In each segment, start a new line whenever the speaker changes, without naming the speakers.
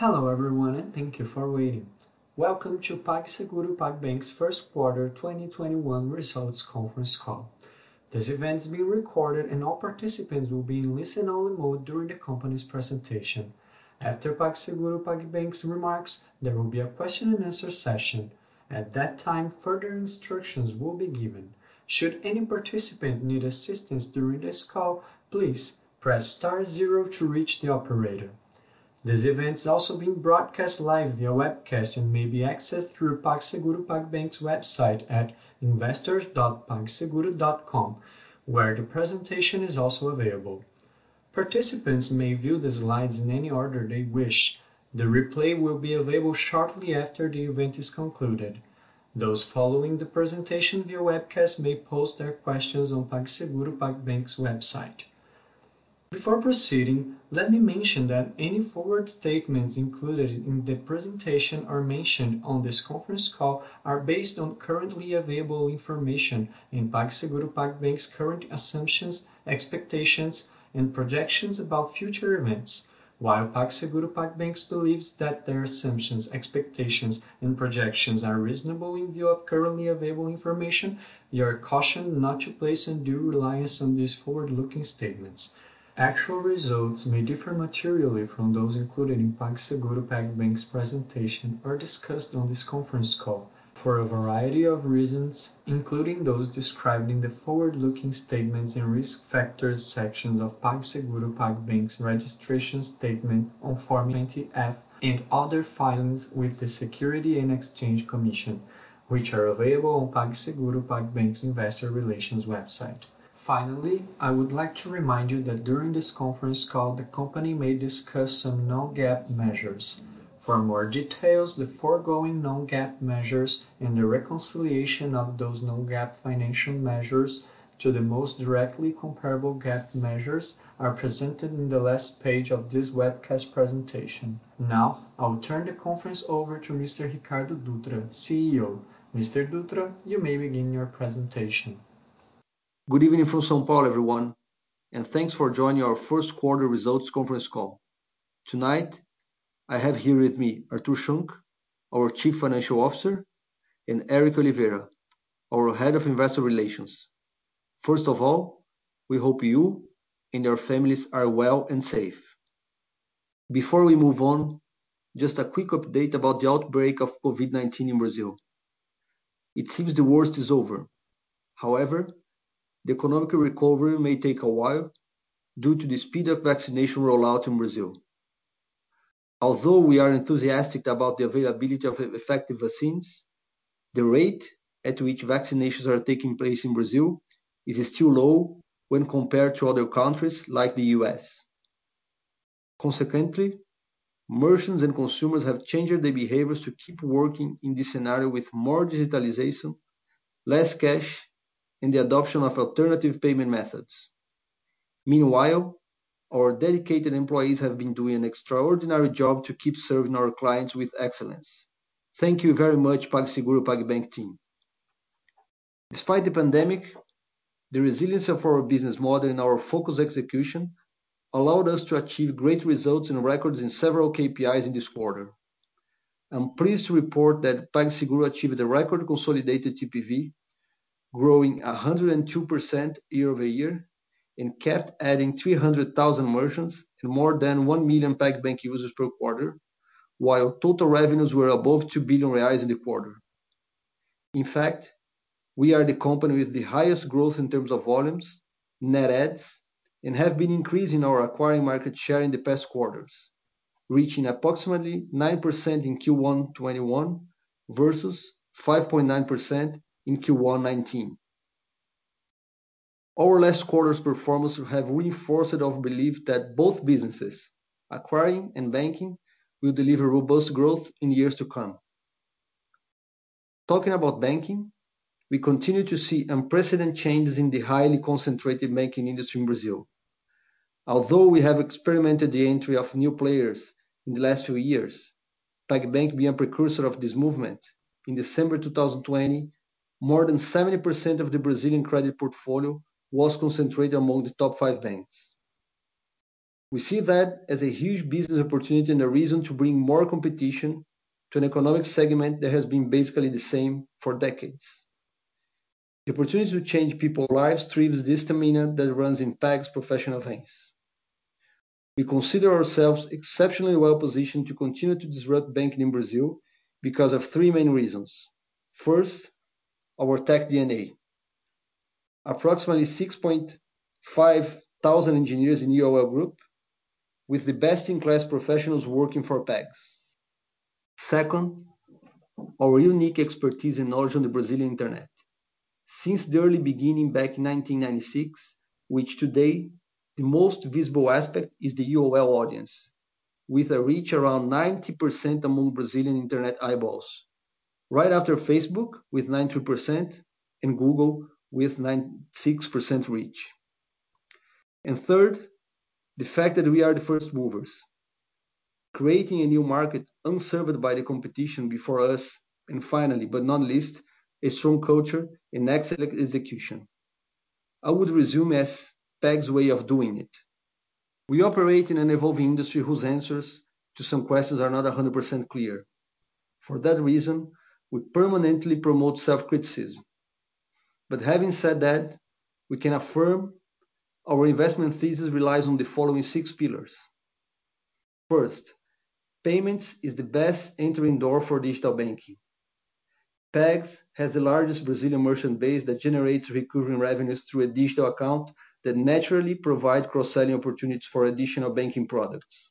Hello everyone, and thank you for waiting. Welcome to PagBank PagSeguro's first quarter 2021 results conference call. This event is being recorded, and all participants will be in listen-only mode during the company's presentation. After PagBank PagSeguro's remarks, there will be a question-and-answer session. At that time, further instructions will be given. Should any participant need assistance during this call, please press star zero to reach the operator. This event is also being broadcast live via webcast and may be accessed through PagBank PagSeguro's website at investors.pagseguro.com, where the presentation is also available. Participants may view the slides in any order they wish. The replay will be available shortly after the event is concluded. Those following the presentation via webcast may post their questions on PagBank PagSeguro's website. Before proceeding, let me mention that any forward statements included in the presentation or mentioned on this conference call are based on currently available information and PagBank PagSeguro's current assumptions, expectations, and projections about future events. While PagBank PagSeguro believes that their assumptions, expectations, and projections are reasonable in view of currently available information, you are cautioned not to place undue reliance on these forward-looking statements. Actual results may differ materially from those included in PagBank PagSeguro's presentation or discussed on this conference call for a variety of reasons, including those described in the Forward-Looking Statements and Risk Factors sections of PagBank PagSeguro's registration statement on Form 20-F and other filings with the Securities and Exchange Commission, which are available on PagBank PagSeguro's investor relations website. Finally, I would like to remind you that during this conference call, the company may discuss some non-GAAP measures. For more details, the foregoing non-GAAP measures and the reconciliation of those non-GAAP financial measures to the most directly comparable GAAP measures are presented on the last page of this webcast presentation. Now, I will turn the conference over to Mr. Ricardo Dutra, CEO. Mr. Dutra, you may begin your presentation.
Good evening from São Paulo, everyone, and thanks for joining our first quarter results conference call. Tonight, I have here with me Artur Schunck, our Chief Financial Officer, and Eric Oliveira, our Head of Investor Relations. First of all, we hope you and your families are well and safe. Before we move on, just a quick update about the outbreak of COVID-19 in Brazil. It seems the worst is over. However, the economic recovery may take a while due to the speed of vaccination rollout in Brazil. Although we are enthusiastic about the availability of effective vaccines, the rate at which vaccinations are taking place in Brazil is still low when compared to other countries like the U.S. Consequently, merchants and consumers have changed their behaviors to keep working in this scenario with more digitalization, less cash, and the adoption of alternative payment methods. Meanwhile, our dedicated employees have been doing an extraordinary job to keep serving our clients with excellence. Thank you very much, PagSeguro PagBank team. Despite the pandemic, the resilience of our business model and our focused execution allowed us to achieve great results and records in several KPIs in this quarter. I'm pleased to report that PagSeguro achieved a record consolidated TPV, growing 102% year-over-year and kept adding 300,000 merchants to more than 1 million PagBank users per quarter, while total revenues were above 2 billion reais in the quarter. In fact, we are the company with the highest growth in terms of volumes, net adds, and have been increasing our acquiring market share in the past quarters, reaching approximately 9% in Q1 2021 versus 5.9% in Q1 2019. Our last quarter's performance have reinforced our belief that both businesses, acquiring and banking, will deliver robust growth in years to come. Talking about banking, we continue to see unprecedented changes in the highly concentrated banking industry in Brazil. Although we have experimented the entry of new players in the last few years, PagBank being a precursor of this movement. In December 2020, more than 70% of the Brazilian credit portfolio was concentrated among the top five banks. We see that as a huge business opportunity and a reason to bring more competition to an economic segment that has been basically the same for decades. The opportunity to change people's lives fuels the stamina that runs in Pag's professional veins. We consider ourselves exceptionally well-positioned to continue to disrupt banking in Brazil because of three main reasons. First, our tech DNA. Approximately 6,500 engineers in UOL Group, with the best-in-class professionals working for Pag. Second, our unique expertise and knowledge on the Brazilian internet. Since the early beginning back in 1996, which today the most visible aspect is the UOL audience, with a reach around 90% among Brazilian internet eyeballs. Right after Facebook, with 92%, and Google with 96% reach. Third, the fact that we are the first movers, creating a new market unserved by the competition before us. Finally, but not least, a strong culture and excellent execution. I would resume as Pag's way of doing it. We operate in an evolving industry whose answers to some questions are not 100% clear. For that reason, we permanently promote self-criticism. Having said that, we can affirm our investment thesis relies on the following six pillars. First, payments is the best entering door for digital banking. Pag has the largest Brazilian merchant base that generates recurring revenues through a digital account that naturally provide cross-selling opportunities for additional banking products.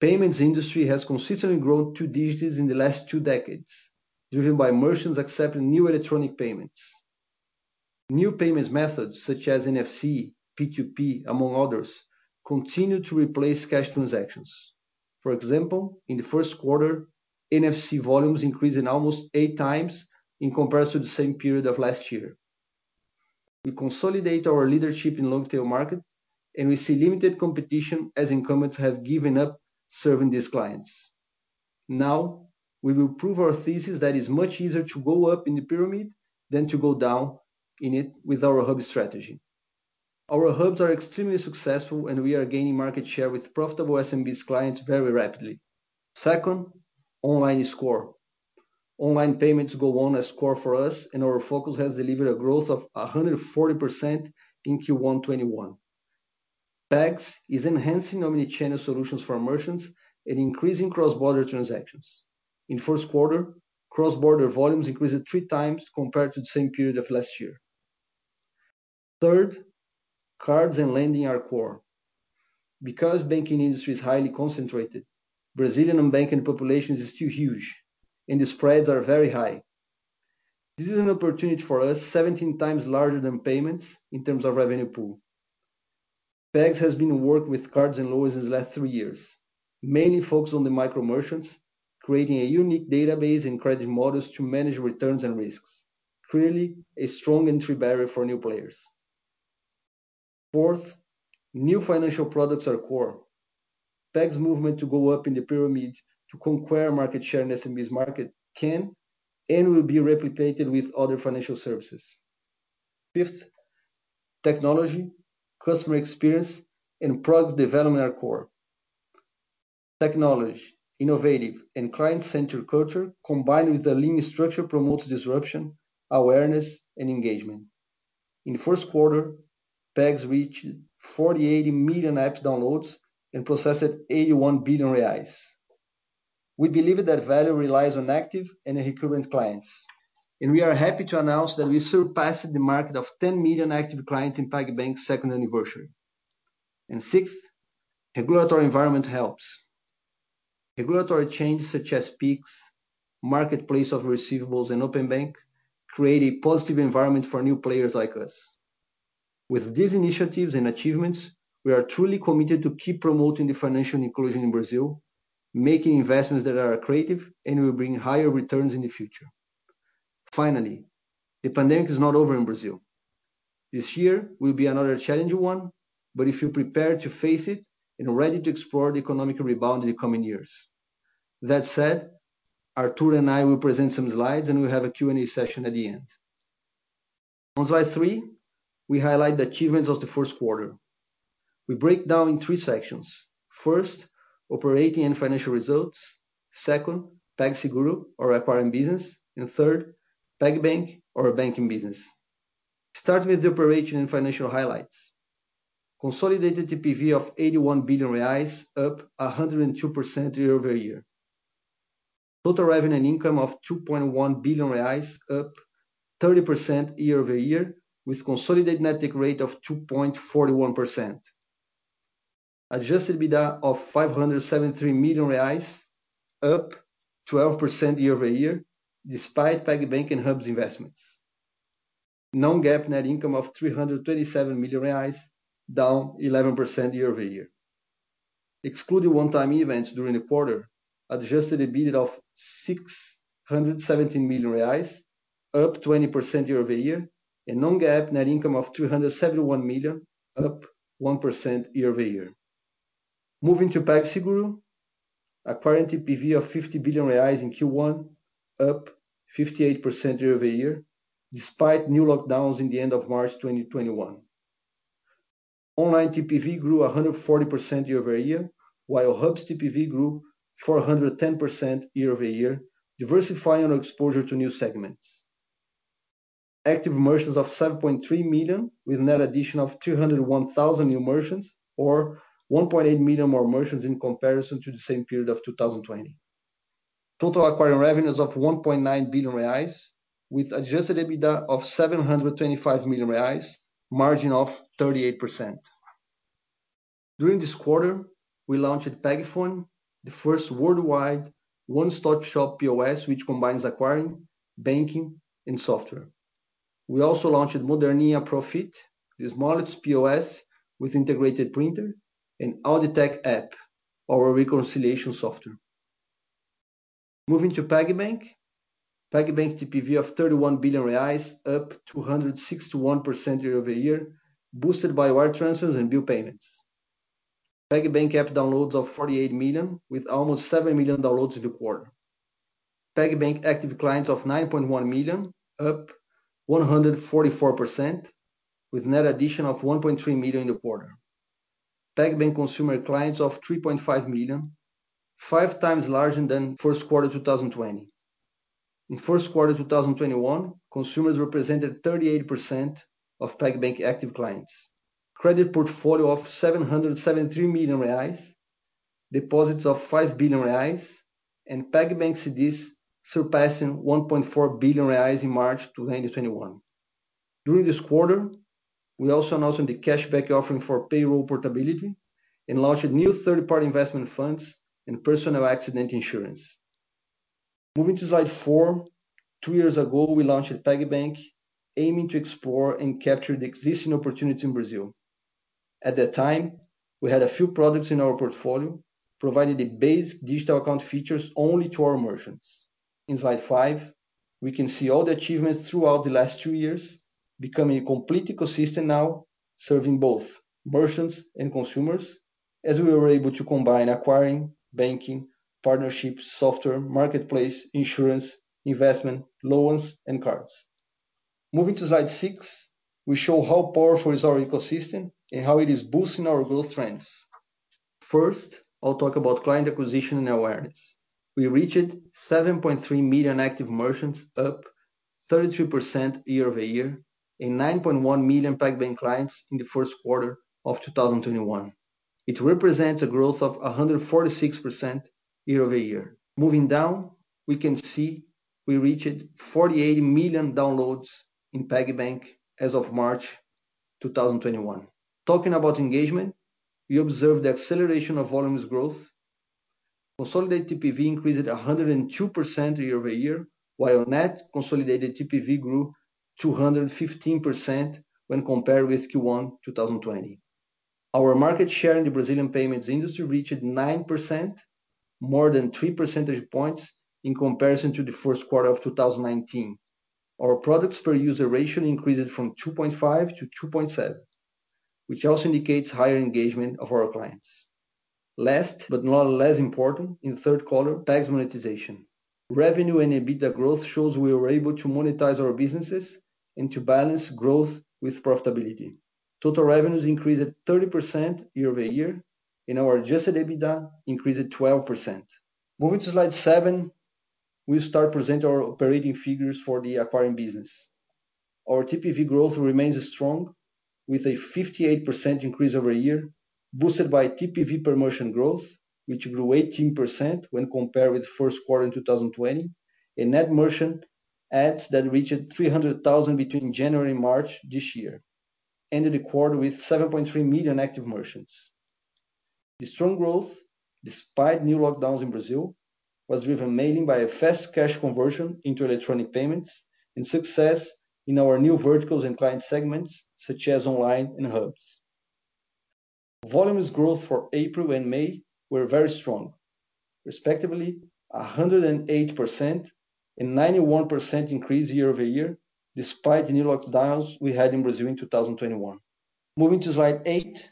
Payments industry has consistently grown two digits in the last two decades, driven by merchants accepting new electronic payments. New payments methods such as NFC, P2P, among others, continue to replace cash transactions. For example, in the first quarter, NFC volumes increased almost eight times in comparison to the same period of last year. We consolidate our leadership in long-tail market, and we see limited competition as incumbents have given up serving these clients. We will prove our thesis that it's much easier to go up in the pyramid than to go down in it with our hub strategy. Our hubs are extremely successful, and we are gaining market share with profitable SMB clients very rapidly. Online is core. Online payments go on as core for us. Our focus has delivered a growth of 140% in Q1 2021. Pag is enhancing omnichannel solutions for merchants and increasing cross-border transactions. In first quarter, cross-border volumes increased three times compared to the same period of last year. Third, cards and lending are core. Banking industry is highly concentrated, Brazilian unbanked population is still huge, and the spreads are very high. This is an opportunity for us 17x larger than payments in terms of revenue pool. Pag has been working with cards and loans these last three years, mainly focused on the micro-merchants, creating a unique database and credit models to manage returns and risks. Clearly, a strong entry barrier for new players. Fourth, new financial products are core. Pag's movement to go up in the pyramid to conquer market share in SMB's market can and will be replicated with other financial services. Fifth, technology, customer experience, and product development are core. Technology, innovative, and client-centered culture, combined with a lean structure promotes disruption, awareness, and engagement. In first quarter, Pag reached 48 million app downloads and processed 81 billion reais. We believe that value relies on active and recurring clients, and we are happy to announce that we surpassed the mark of 10 million active clients in PagBank's second anniversary. Sixth, regulatory environment helps. Regulatory changes such as Pix, Marketplace of Receivables and Open Banking create a positive environment for new players like us. With these initiatives and achievements, we are truly committed to keep promoting the financial inclusion in Brazil, making investments that are creative and will bring higher returns in the future. The pandemic is not over in Brazil. This year will be another challenging one, we feel prepared to face it and are ready to explore the economic rebound in the coming years. Artur and I will present some slides, and we'll have a Q&A session at the end. On Slide three, we highlight the achievements of the first quarter. We break down in three sections. Operating and financial results. PagSeguro, our acquiring business. PagBank, our banking business. Start with the operation and financial highlights. Consolidated TPV of 81 billion reais, up 102% year-over-year. Total revenue and income of 2.1 billion reais, up 30% year-over-year, with consolidated net rate of 2.41%. Adjusted EBITDA of 573 million reais, up 12% year-over-year, despite PagBank and Hubs investments. Non-GAAP net income of 337 million reais, down 11% year-over-year. Excluding one-time events during the quarter, adjusted EBITDA of 617 million reais, up 20% year-over-year, and non-GAAP net income of 371 million, up 1% year-over-year. Moving to PagSeguro, acquiring TPV of 50 billion reais in Q1, up 58% year-over-year, despite new lockdowns in the end of March 2021. Online TPV grew 140% year-over-year, while Hubs TPV grew 410% year-over-year, diversifying our exposure to new segments. Active merchants of 7.3 million, with net addition of 301,000 new merchants, or 1.8 million more merchants in comparison to the same period of 2020. Total acquiring revenues of 1.9 billion reais, with adjusted EBITDA of 725 million reais, margin of 38%. During this quarter, we launched PagPhone, the first worldwide one-stop-shop POS which combines acquiring, banking, and software. We also launched Moderninha ProFit, the smallest POS with integrated printer, and Auditec app, our reconciliation software. Moving to PagBank. PagBank TPV of BRL 31 billion, up 261% year-over-year, boosted by wire transfers and new payments. PagBank app downloads of 48 million, with almost seven million downloads in the quarter. PagBank active clients of 9.1 million, up 144%, with net addition of 1.3 million in the quarter. PagBank consumer clients of 3.5 million, 5x larger than first quarter 2020. In first quarter 2021, consumers represented 38% of PagBank active clients. credit portfolio of 773 million reais, deposits of 5 billion reais, and PagBank CDBs surpassing 1.4 billion reais in March 2021. During this quarter, we also announced the cashback offering for payroll portability and launched new third-party investment funds and personal accident insurance. Moving to Slide four. Two years ago, we launched PagBank, aiming to explore and capture the existing opportunity in Brazil. At the time, we had a few products in our portfolio, providing the base digital account features only to our merchants. In Slide five, we can see all the achievements throughout the last two years, becoming a complete ecosystem now, serving both merchants and consumers, as we were able to combine acquiring, banking, partnerships, software, marketplace, insurance, investment, loans, and cards. Moving to Slide six, we show how powerful is our ecosystem and how it is boosting our growth trends. First, I'll talk about client acquisition and awareness. We reached 7.3 million active merchants, up 33% year-over-year, and 9.1 million PagBank clients in the first quarter of 2021. It represents a growth of 146% year-over-year. Moving down, we can see we reached 48 million downloads in PagBank as of March 2021. Talking about engagement, we observed the acceleration of volumes growth. Consolidated TPV increased 102% year-over-year, while net consolidated TPV grew 215% when compared with Q1 2020. Our market share in the Brazilian payments industry reached 9%, more than three percentage points in comparison to the first quarter of 2019. Our products per user ratio increased from 2.5 to 2.7, which also indicates higher engagement of our clients. Last but not less important, in third column, Pag's monetization. Revenue and EBITDA growth shows we were able to monetize our businesses and to balance growth with profitability. Total revenues increased 30% year-over-year, and our adjusted EBITDA increased 12%. Moving to Slide seven, we'll start presenting our operating figures for the acquiring business. Our TPV growth remains strong with a 58% increase year-over-year, boosted by TPV per merchant growth, which grew 18% when compared with first quarter 2020, and net merchant adds that reached 300,000 between January and March this year. Ended the quarter with 7.3 million active merchants. The strong growth, despite new lockdowns in Brazil, was driven mainly by a fast cash conversion into electronic payments and success in our new verticals and client segments, such as online and hubs. Volumes growth for April and May were very strong, respectively 108% and 91% increase year-over-year, despite the new lockdowns we had in Brazil in 2021. Moving to Slide eight.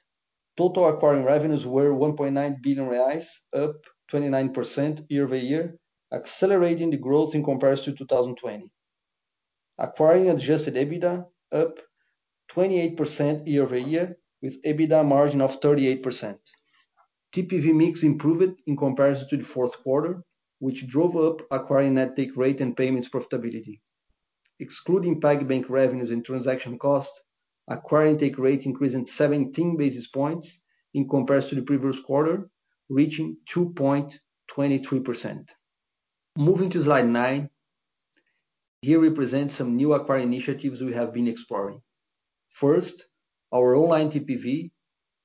Total acquiring revenues were 1.9 billion reais, up 29% year-over-year, accelerating the growth in comparison to 2020. Acquiring adjusted EBITDA up 28% year-over-year with EBITDA margin of 38%. TPV mix improved in comparison to the fourth quarter, which drove up acquiring net take rate and payments profitability. Excluding PagBank revenues and transaction costs, acquiring take rate increased 17 basis points in comparison to the previous quarter, reaching 2.23%. Moving to Slide nine. Here we present some new acquiring initiatives we have been exploring. First, our online TPV,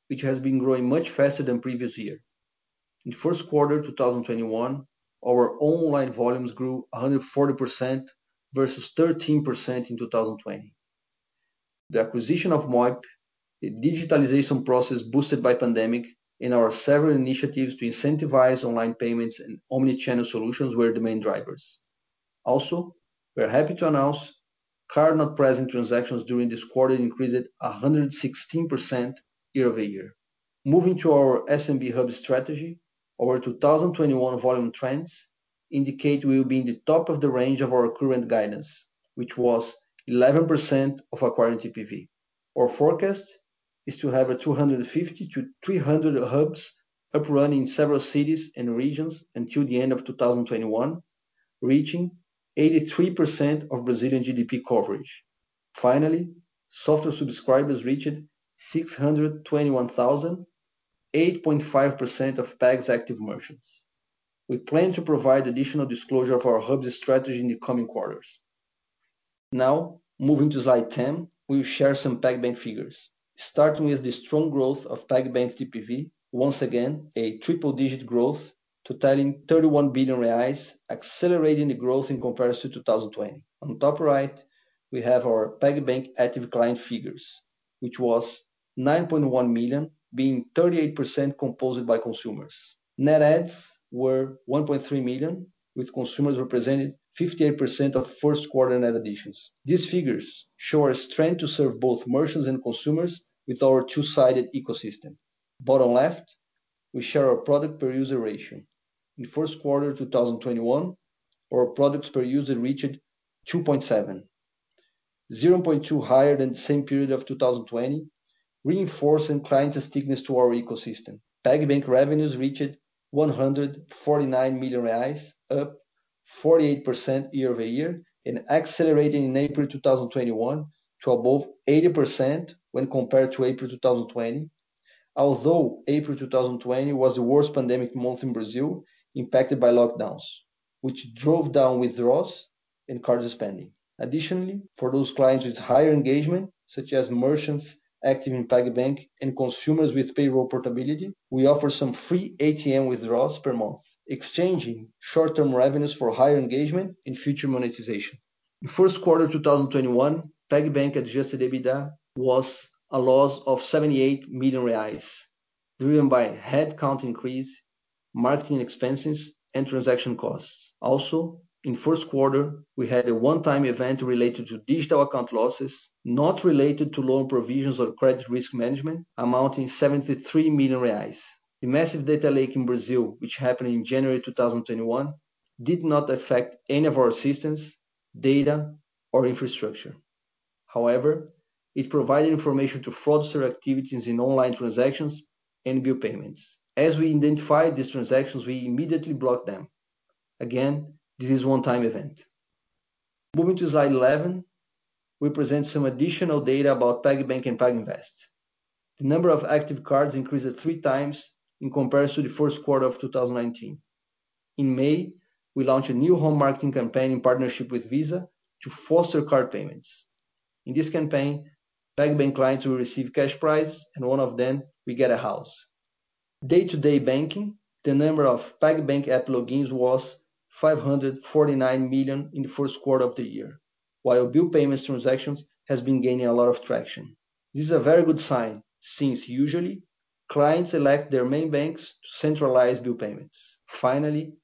which has been growing much faster than previous year. In first quarter 2021, our online volumes grew 140% versus 13% in 2020. The acquisition of Moip, the digitalization process boosted by pandemic, and our several initiatives to incentivize online payments and omni-channel solutions were the main drivers. We are happy to announce card-not-present transactions during this quarter increased 116% year-over-year. Moving to our SMB hub strategy. Our 2021 volume trends indicate we will be in the top of the range of our current guidance, which was 11% of acquiring TPV. Our forecast is to have 250-300 hubs up running in several cities and regions until the end of 2021, reaching 83% of Brazilian GDP coverage. Finally, software subscribers reached 621,000, 8.5% of Pag's active merchants. We plan to provide additional disclosure of our hubs strategy in the coming quarters. Now, moving to Slide 10, we'll share some PagBank figures. Starting with the strong growth of PagBank TPV, once again, a triple-digit growth totaling 31 billion reais, accelerating the growth in comparison to 2020. On the top right, we have our PagBank active client figures. Which was 9.1 million, being 38% composed by consumers. Net adds were 1.3 million, with consumers representing 58% of first quarter net additions. These figures show our strength to serve both merchants and consumers with our two-sided ecosystem. Bottom left, we share our product per user ratio. In Q1 2021, our products per user reached 2.7, 0.2 higher than the same period of 2020, reinforcing clients' stickiness to our ecosystem. PagBank revenues reached BRL 149 million, up 48% year-over-year and accelerating in April 2021 to above 80% when compared to April 2020, although April 2020 was the worst pandemic month in Brazil, impacted by lockdowns, which drove down withdrawals and card spending. Additionally, for those clients with higher engagement, such as merchants active in PagBank and consumers with payroll portability, we offer some free ATM withdrawals per month, exchanging short-term revenues for higher engagement and future monetization. In Q1 2021, PagBank adjusted EBITDA was a loss of 78 million reais, driven by headcount increase, marketing expenses, and transaction costs. In first quarter, we had a one-time event related to digital account losses, not related to loan provisions or credit risk management, amounting 73 million reais. The massive data leak in Brazil, which happened in January 2021, did not affect any of our systems, data, or infrastructure. It provided information to foster activities in online transactions and bill payments. As we identified these transactions, we immediately blocked them. Again, this is a one-time event. Moving to Slide 11, we present some additional data about PagBank and PagBank Invest. The number of active cards increased at three times in comparison to the first quarter of 2019. In May, we launched a new home marketing campaign in partnership with Visa to foster card payments. In this campaign, PagBank clients will receive cash prize, and one of them will get a house. Day-to-day banking, the number of PagBank app logins was 549 million in the first quarter of the year, while bill payments transactions have been gaining a lot of traction. This is a very good sign since usually, clients elect their main banks to centralize bill payments. Finally,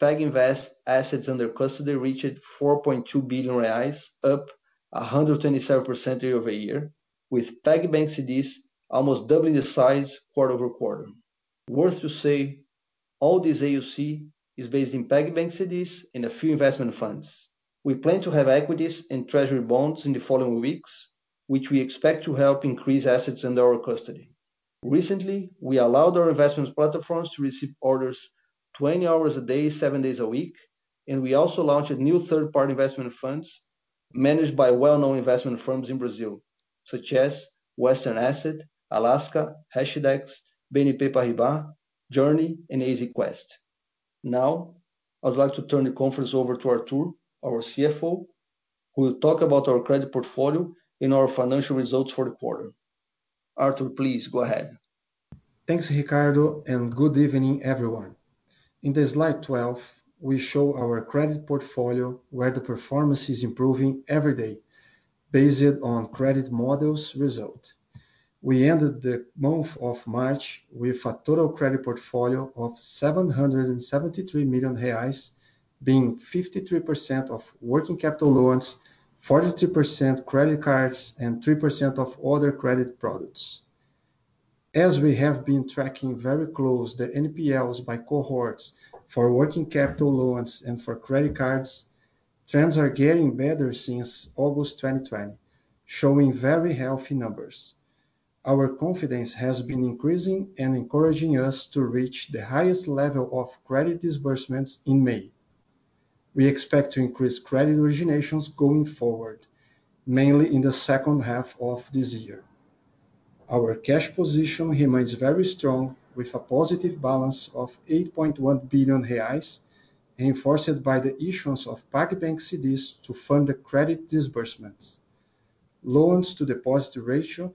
PagBank Invest assets under custody reached 4.2 billion reais, up 127% year-over-year, with PagBank CDBs almost doubling the size quarter-over-quarter. Worth to say, all this AUC is based in PagBank CDBs and a few investment funds. We plan to have equities and Treasury bonds in the following weeks, which we expect to help increase assets under our custody. Recently, we allowed our investments platforms to receive orders 20 hours a day, seven days a week. We also launched new third-party investment funds managed by well-known investment firms in Brazil, such as Western Asset, Alaska, Hashdex, BNP Paribas, Journey, and AZ Quest. Now, I'd like to turn the conference over to Artur, our CFO, who will talk about our credit portfolio and our financial results for the quarter. Artur, please go ahead.
Thanks, Ricardo, and good evening, everyone. In Slide 12, we show our credit portfolio where the performance is improving every day based on credit models result. We ended the month of March with a total credit portfolio of 773 million reais, being 53% of working capital loans, 43% credit cards, and 3% of other credit products. As we have been tracking very close the NPLs by cohorts for working capital loans and for credit cards, trends are getting better since August 2020, showing very healthy numbers. Our confidence has been increasing and encouraging us to reach the highest level of credit disbursements in May. We expect to increase credit originations going forward, mainly in the second half of this year. Our cash position remains very strong, with a positive balance of 8.1 billion reais, reinforced by the issuance of PagBank CDBs to fund the credit disbursements. Loans-to-deposit ratio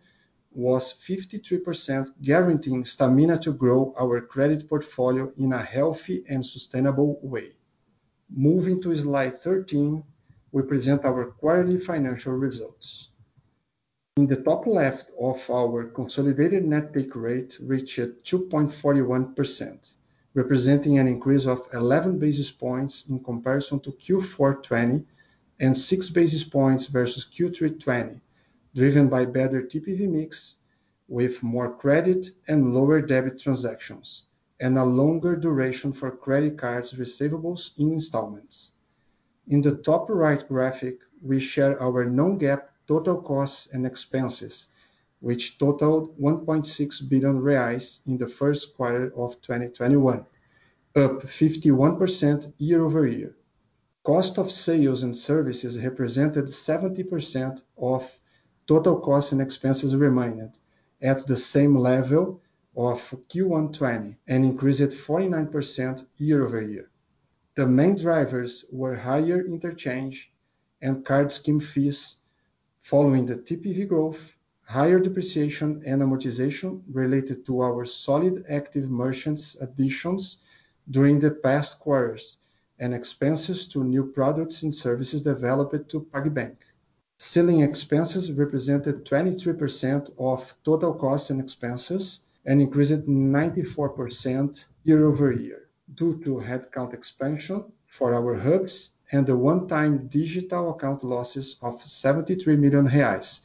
was 53%, guaranteeing stamina to grow our credit portfolio in a healthy and sustainable way. Moving to Slide 13, we present our quarterly financial results. In the top left of our consolidated net take rate reached 2.41%, representing an increase of 11 basis points in comparison to Q4 2020 and 6 basis points versus Q3 2020, driven by better TPV mix with more credit and lower debit transactions, and a longer duration for credit cards receivables in installments. In the top right graphic, we share our non-GAAP total costs and expenses, which totaled 1.6 billion reais in the first quarter of 2021, up 51% year-over-year. Cost of sales and services represented 70% of total costs and expenses, remained at the same level of Q1 2020 and increased 49% year-over-year. The main drivers were higher interchange and card scheme fees following the TPV growth, higher depreciation and amortization related to our solid active merchants additions during the past quarters, and expenses to new products and services developed to PagBank. Selling expenses represented 23% of total costs and expenses and increased 94% year-over-year due to headcount expansion for our hubs and the one-time digital account losses of 73 million reais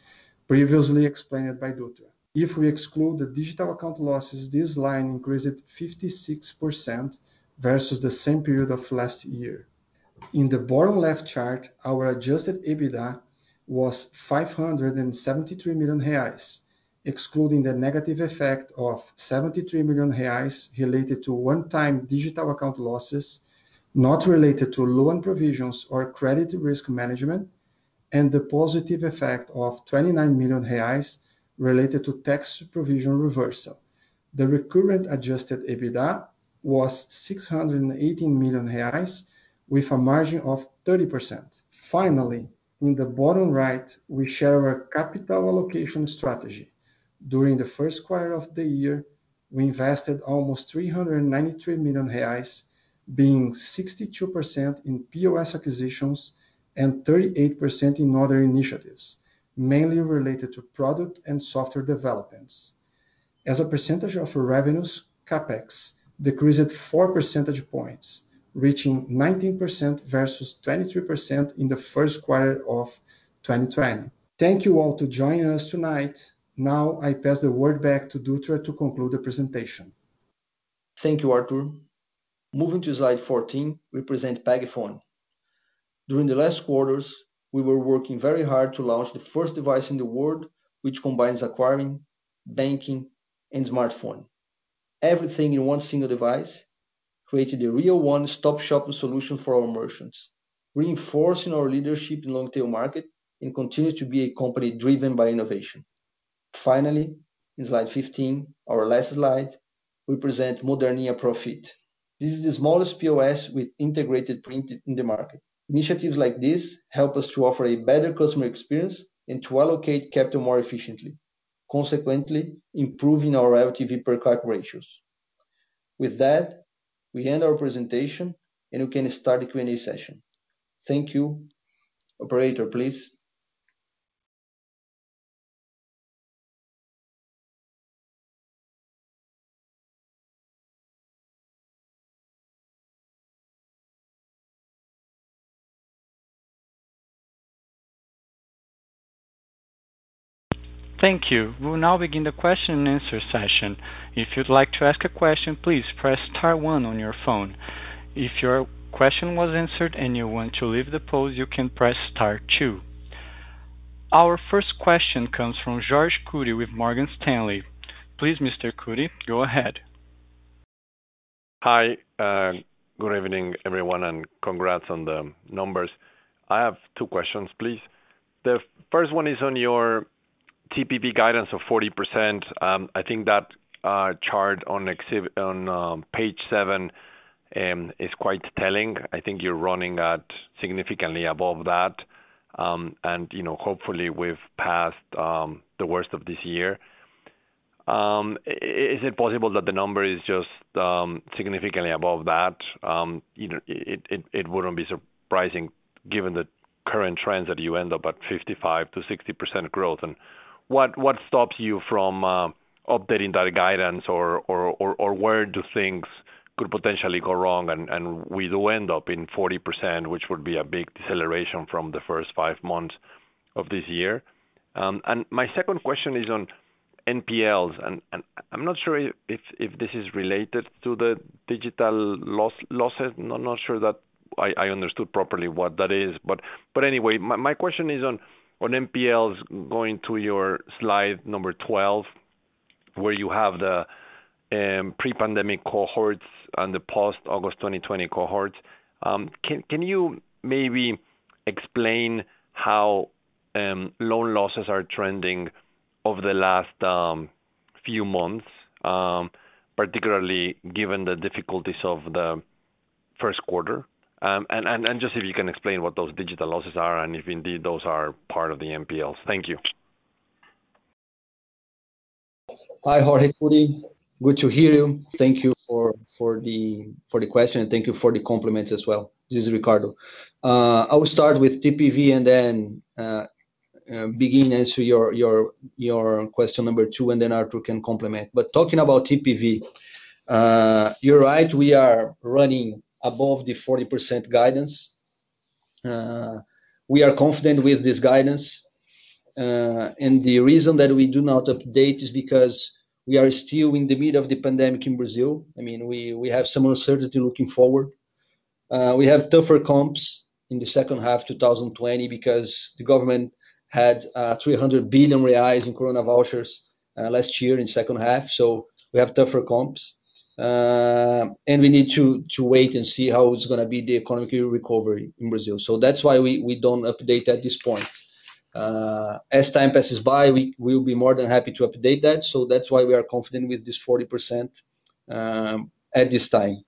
previously explained by Dutra. If we exclude the digital account losses, this line increased 56% versus the same period of last year. In the bottom left chart, our adjusted EBITDA was 573 million reais, excluding the negative effect of 73 million reais related to one-time digital account losses not related to loan provisions or credit risk management, and the positive effect of 29 million reais related to tax provision reversal. The recurrent adjusted EBITDA was 618 million reais with a margin of 30%. Finally, in the bottom right, we share our capital allocation strategy. During the first quarter of the year, we invested almost 393 million reais, being 62% in POS acquisitions and 38% in other initiatives, mainly related to product and software developments. As a percentage of revenues, CapEx decreased 4 percentage points, reaching 19% versus 23% in the first quarter of 2020. Thank you all to joining us tonight. Now I pass the word back to Dutra to conclude the presentation.
Thank you, Artur. Moving to Slide 14, we present PagPhone. During the last quarters, we were working very hard to launch the first device in the world, which combines acquiring, banking, and smartphone. Everything in one single device, creating a real one-stop shop solution for our merchants, reinforcing our leadership in the long-tail market and continue to be a company driven by innovation. Finally, in Slide 15, our last slide, we present Moderninha ProFit. This is the smallest POS with integrated printer in the market. Initiatives like this help us to offer a better customer experience and to allocate capital more efficiently, consequently improving our LTV/CAC Ratios. With that, we end our presentation, and we can start the Q&A session. Thank you. Operator, please.
Thank you. We'll now begin the question and answer session. Our first question comes from Jorge Kuri with Morgan Stanley. Please, Mr. Kuri, go ahead.
Hi. Good evening, everyone, and congrats on the numbers. I have two questions, please. The first one is on your TPV guidance of 40%. I think that chart on Page seven is quite telling. I think you're running at significantly above that, and hopefully we've passed the worst of this year. Is it possible that the number is just significantly above that? It wouldn't be surprising given the current trends that you end up at 55%-60% growth. What stops you from updating that guidance? Where do things could potentially go wrong and we do end up in 40%, which would be a big deceleration from the first five months of this year? My second question is on NPLs, and I'm not sure if this is related to the digital losses. I'm not sure that I understood properly what that is. Anyway, my question is on NPLs, going to your Slide number 12, where you have the pre-pandemic cohorts and the post-August 2020 cohorts. Can you maybe explain how loan losses are trending over the last few months, particularly given the difficulties of the first quarter? Just if you can explain what those digital losses are and if indeed those are part of the NPLs. Thank you.
Hi, Jorge Kuri. Good to hear you. Thank you for the question. Thank you for the compliments as well. This is Ricardo. I will start with TPV. Then begin to answer your question number two, and Artur can complement. Talking about TPV, you're right, we are running above the 40% guidance. We are confident with this guidance. The reason that we do not update is because we are still in the middle of the pandemic in Brazil. We have some uncertainty looking forward. We have tougher comps in the second half 2020 because the government had 300 billion reais in Corona vouchers last year in the second half. We have tougher comps. We need to wait and see how it's going to be the economic recovery in Brazil. That's why we don't update at this point. As time passes by, we will be more than happy to update that. That's why we are confident with this 40% at this time.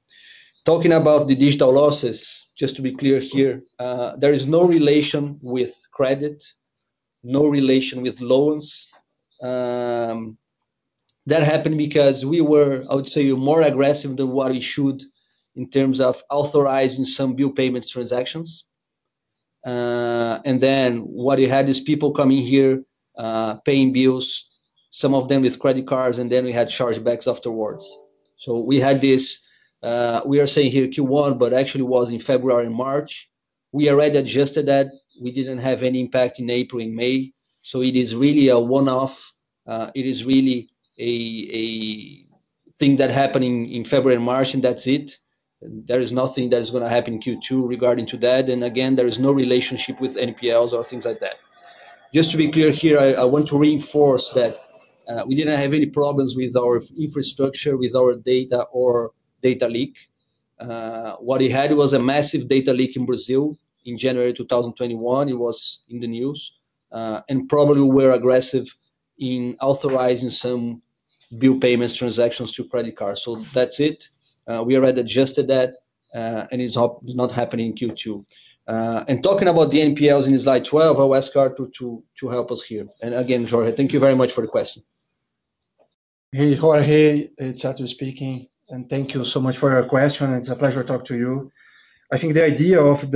Talking about the digital losses, just to be clear here, there is no relation with credit, no relation with loans. That happened because we were, I would say, more aggressive than what we should in terms of authorizing some bill payments transactions. What we had is people coming here paying bills, some of them with credit cards, and then we had chargebacks afterwards. We had this, we are saying here Q1, but actually it was in February and March. We already adjusted that. We didn't have any impact in April and May. It is really a one-off. It is really a thing that happened in February and March, and that's it. There is nothing that's going to happen in Q2 regarding that. Again, there is no relationship with NPLs or things like that. Just to be clear here, I want to reinforce that we didn't have any problems with our infrastructure, with our data or data leak. What we had was a massive data leak in Brazil in January 2021, it was in the news, and probably we're aggressive in authorizing some bill payments transactions to credit cards. That's it. We already adjusted that, and it's not happening in Q2. Talking about the NPLs in Slide 12, I'll ask Artur to help us here. Again, Jorge, thank you very much for your question.
Hey, Jorge, it's Artur speaking, and thank you so much for your question. It's a pleasure talking to you. I think the idea of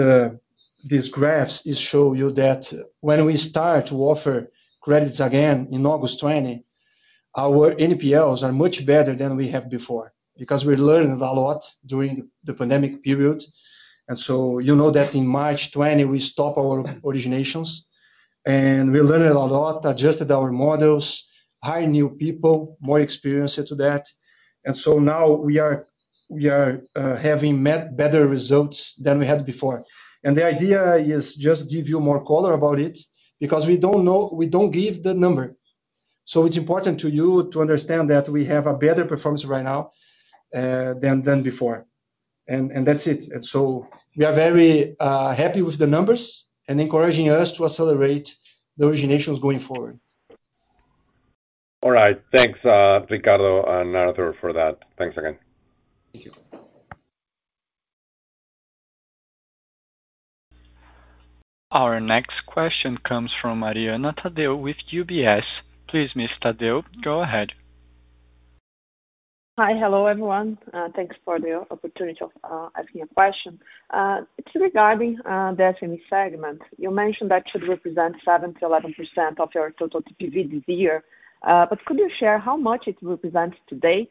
these graphs is show you that when we start to offer credits again in August 2020, our NPLs are much better than we have before because we learned a lot during the pandemic period. You know that in March 2020, we stopped our originations, and we learned a lot, adjusted our models, hired new people, more experienced to that. Now we are having better results than we had before. The idea is just give you more color about it because we don't give the number. It's important to you to understand that we have a better performance right now than before. That's it. We are very happy with the numbers and encouraging us to accelerate the originations going forward.
All right. Thanks, Ricardo and Artur, for that. Thanks again.
Thank you.
Our next question comes from Mariana Taddeo with UBS. Please, Ms. Taddeo, go ahead.
Hi. Hello, everyone. Thanks for the opportunity of asking a question. It's regarding the SME segment. You mentioned that should represent 7%-11% of your total TPV this year. Could you share how much it represents today?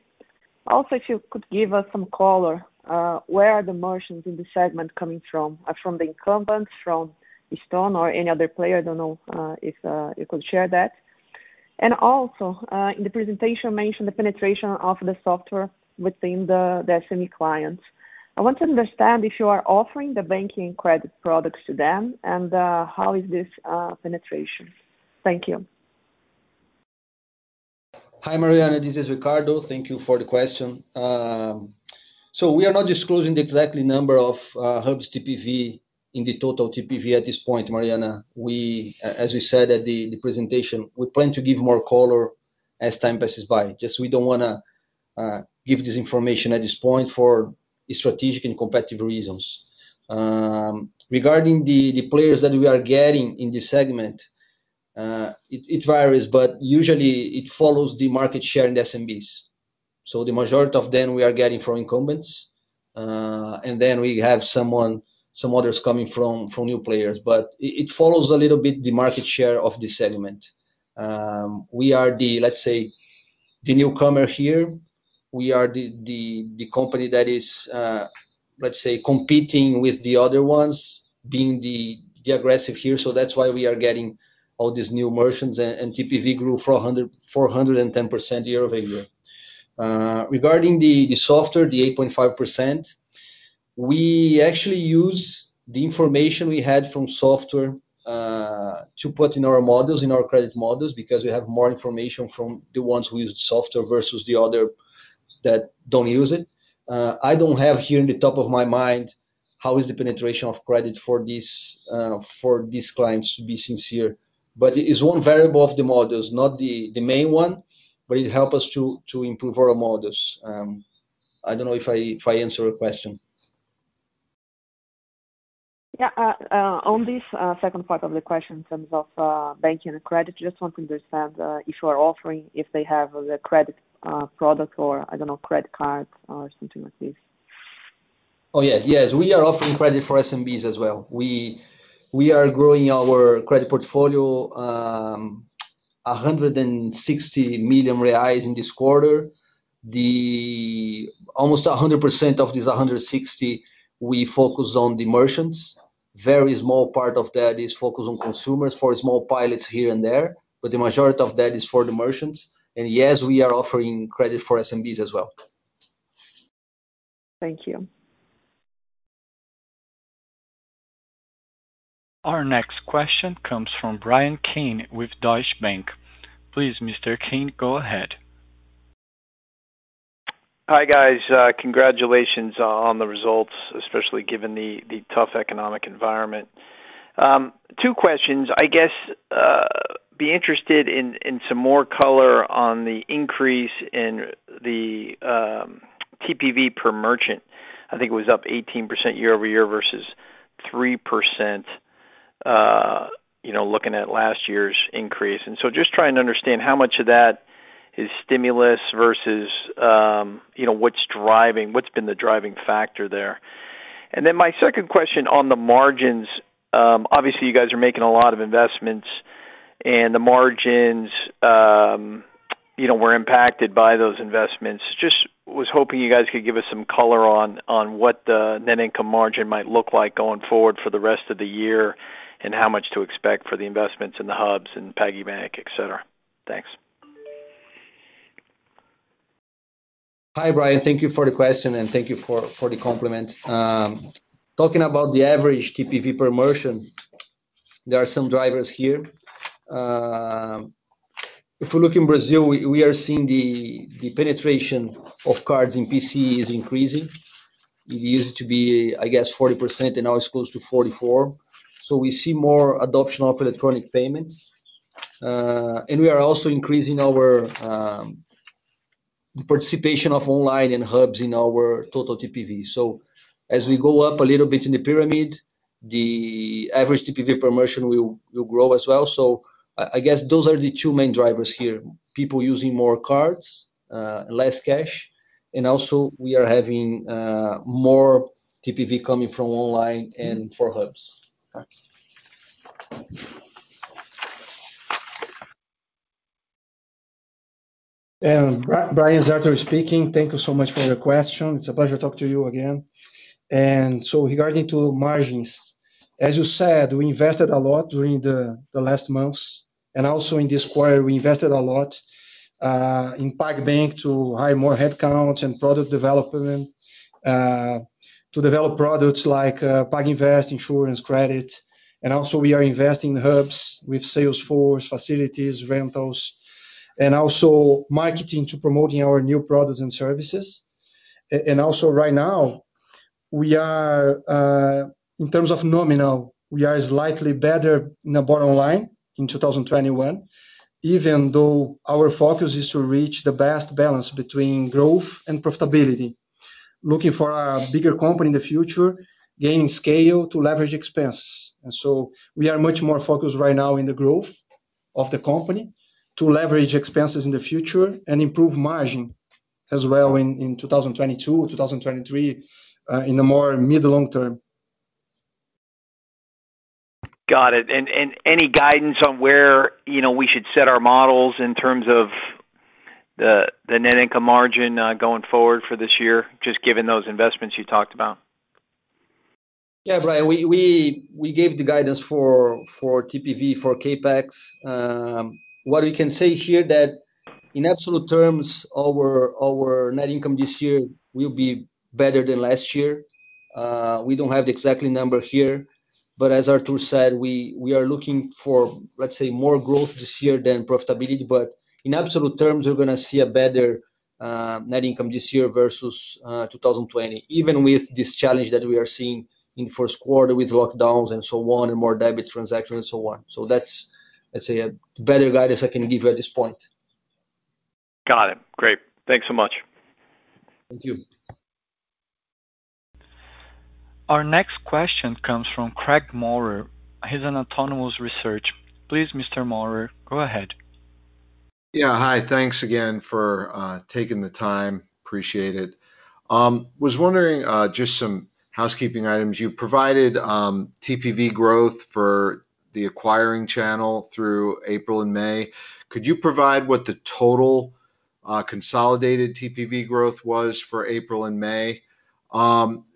If you could give us some color, where are the merchants in this segment coming from? From the incumbents, from Stone or any other player? I don't know if you could share that. In the presentation, you mentioned the penetration of the software within the SME clients. I want to understand if you are offering the banking credit products to them and how is this penetration. Thank you.
Hi, Mariana. This is Ricardo. Thank you for the question. We are not disclosing the exact number of hubs TPV in the total TPV at this point, Mariana. As we said at the presentation, we plan to give more color as time passes by. Just we don't want to give this information at this point for strategic and competitive reasons. Regarding the players that we are getting in this segment, it varies, but usually it follows the market share in SMEs. The majority of them we are getting from incumbents, and then we have some others coming from new players. It follows a little bit the market share of this segment. We are the, let's say, the newcomer here. We are the company that is, let's say, competing with the other ones, being the aggressive here. That's why we are getting all these new merchants, and TPV grew 410% year-over-year. Regarding the software, the 8.5%, we actually use the information we had from software to put in our models, in our credit models, because we have more information from the ones who use software versus the other that don't use it. I don't have here in the top of my mind how is the penetration of credit for these clients, to be sincere. It's one variable of the models, not the main one, but it help us to improve our models. I don't know if I answered your question.
Yeah. On this second part of the question in terms of banking and credit, just want to understand if you are offering, if they have the credit product or, I don't know, credit cards or something like this?
Oh, yes. We are offering credit for SMBs as well. We are growing our credit portfolio 160 million reais in this quarter. Almost 100% of this 160, we focus on the merchants. Very small part of that is focused on consumers for small pilots here and there, but the majority of that is for the merchants. Yes, we are offering credit for SMBs as well.
Thank you.
Our next question comes from Bryan Keane with Deutsche Bank. Please, Mr. Keane, go ahead.
Hi, guys. Congratulations on the results, especially given the tough economic environment. Two questions. I guess, be interested in some more color on the increase in the TPV per merchant. I think it was up 18% year-over-year versus 3% looking at last year's increase. Just trying to understand how much of that is stimulus versus what's been the driving factor there. My second question on the margins, obviously you guys are making a lot of investments and the margins were impacted by those investments. Just was hoping you guys could give us some color on what the net income margin might look like going forward for the rest of the year, and how much to expect for the investments in the hubs and PagBank, et cetera. Thanks.
Hi, Bryan. Thank you for the question and thank you for the compliment. Talking about the average TPV per merchant, there are some drivers here. If we look in Brazil, we are seeing the penetration of cards in PCE is increasing. It used to be, I guess, 40%, and now it's close to 44%. We see more adoption of electronic payments. We are also increasing our participation of online and hubs in our total TPV. As we go up a little bit in the pyramid, the average TPV per merchant will grow as well. I guess those are the two main drivers here, people using more cards, less cash, and also we are having more TPV coming from online and for hubs.
Thanks. Bryan it's Artur speaking. Thank you so much for your question. It's a pleasure talking to you again. Regarding to margins, as you said, we invested a lot during the last months and also in this quarter we invested a lot in PagBank to hire more headcount and product development, to develop products like PagBank Invest, insurance, credit, and also we are investing in hubs with salesforce, facilities, rentals, and also marketing to promoting our new products and services. Right now, in terms of nominal, we are slightly better in the bottom line in 2021, even though our focus is to reach the best balance between growth and profitability. Looking for a bigger company in the future, gain scale to leverage expenses. We are much more focused right now on the growth of the company to leverage expenses in the future and improve margin as well in 2022, 2023, in the more mid, long term.
Got it. Any guidance on where we should set our models in terms of the net income margin going forward for this year, just given those investments you talked about?
Yeah, Bryan Keane, we gave the guidance for TPV for CapEx. What we can say here that in absolute terms, our net income this year will be better than last year. We don't have the exact number here, as Artur said, we are looking for, let's say, more growth this year than profitability. In absolute terms, we're going to see a better net income this year versus 2020, even with this challenge that we are seeing in Q1 with lockdowns and so on, and more debit transactions and so on. That's, let's say, a better guidance I can give you at this point.
Got it. Great. Thanks so much.
Thank you.
Our next question comes from Craig Maurer. He's an Autonomous Research. Please, Mr. Maurer, go ahead.
Yeah. Hi. Thanks again for taking the time. Appreciate it. Was wondering, just some housekeeping items. You provided TPV growth for the acquiring channel through April and May. Could you provide what the total consolidated TPV growth was for April and May?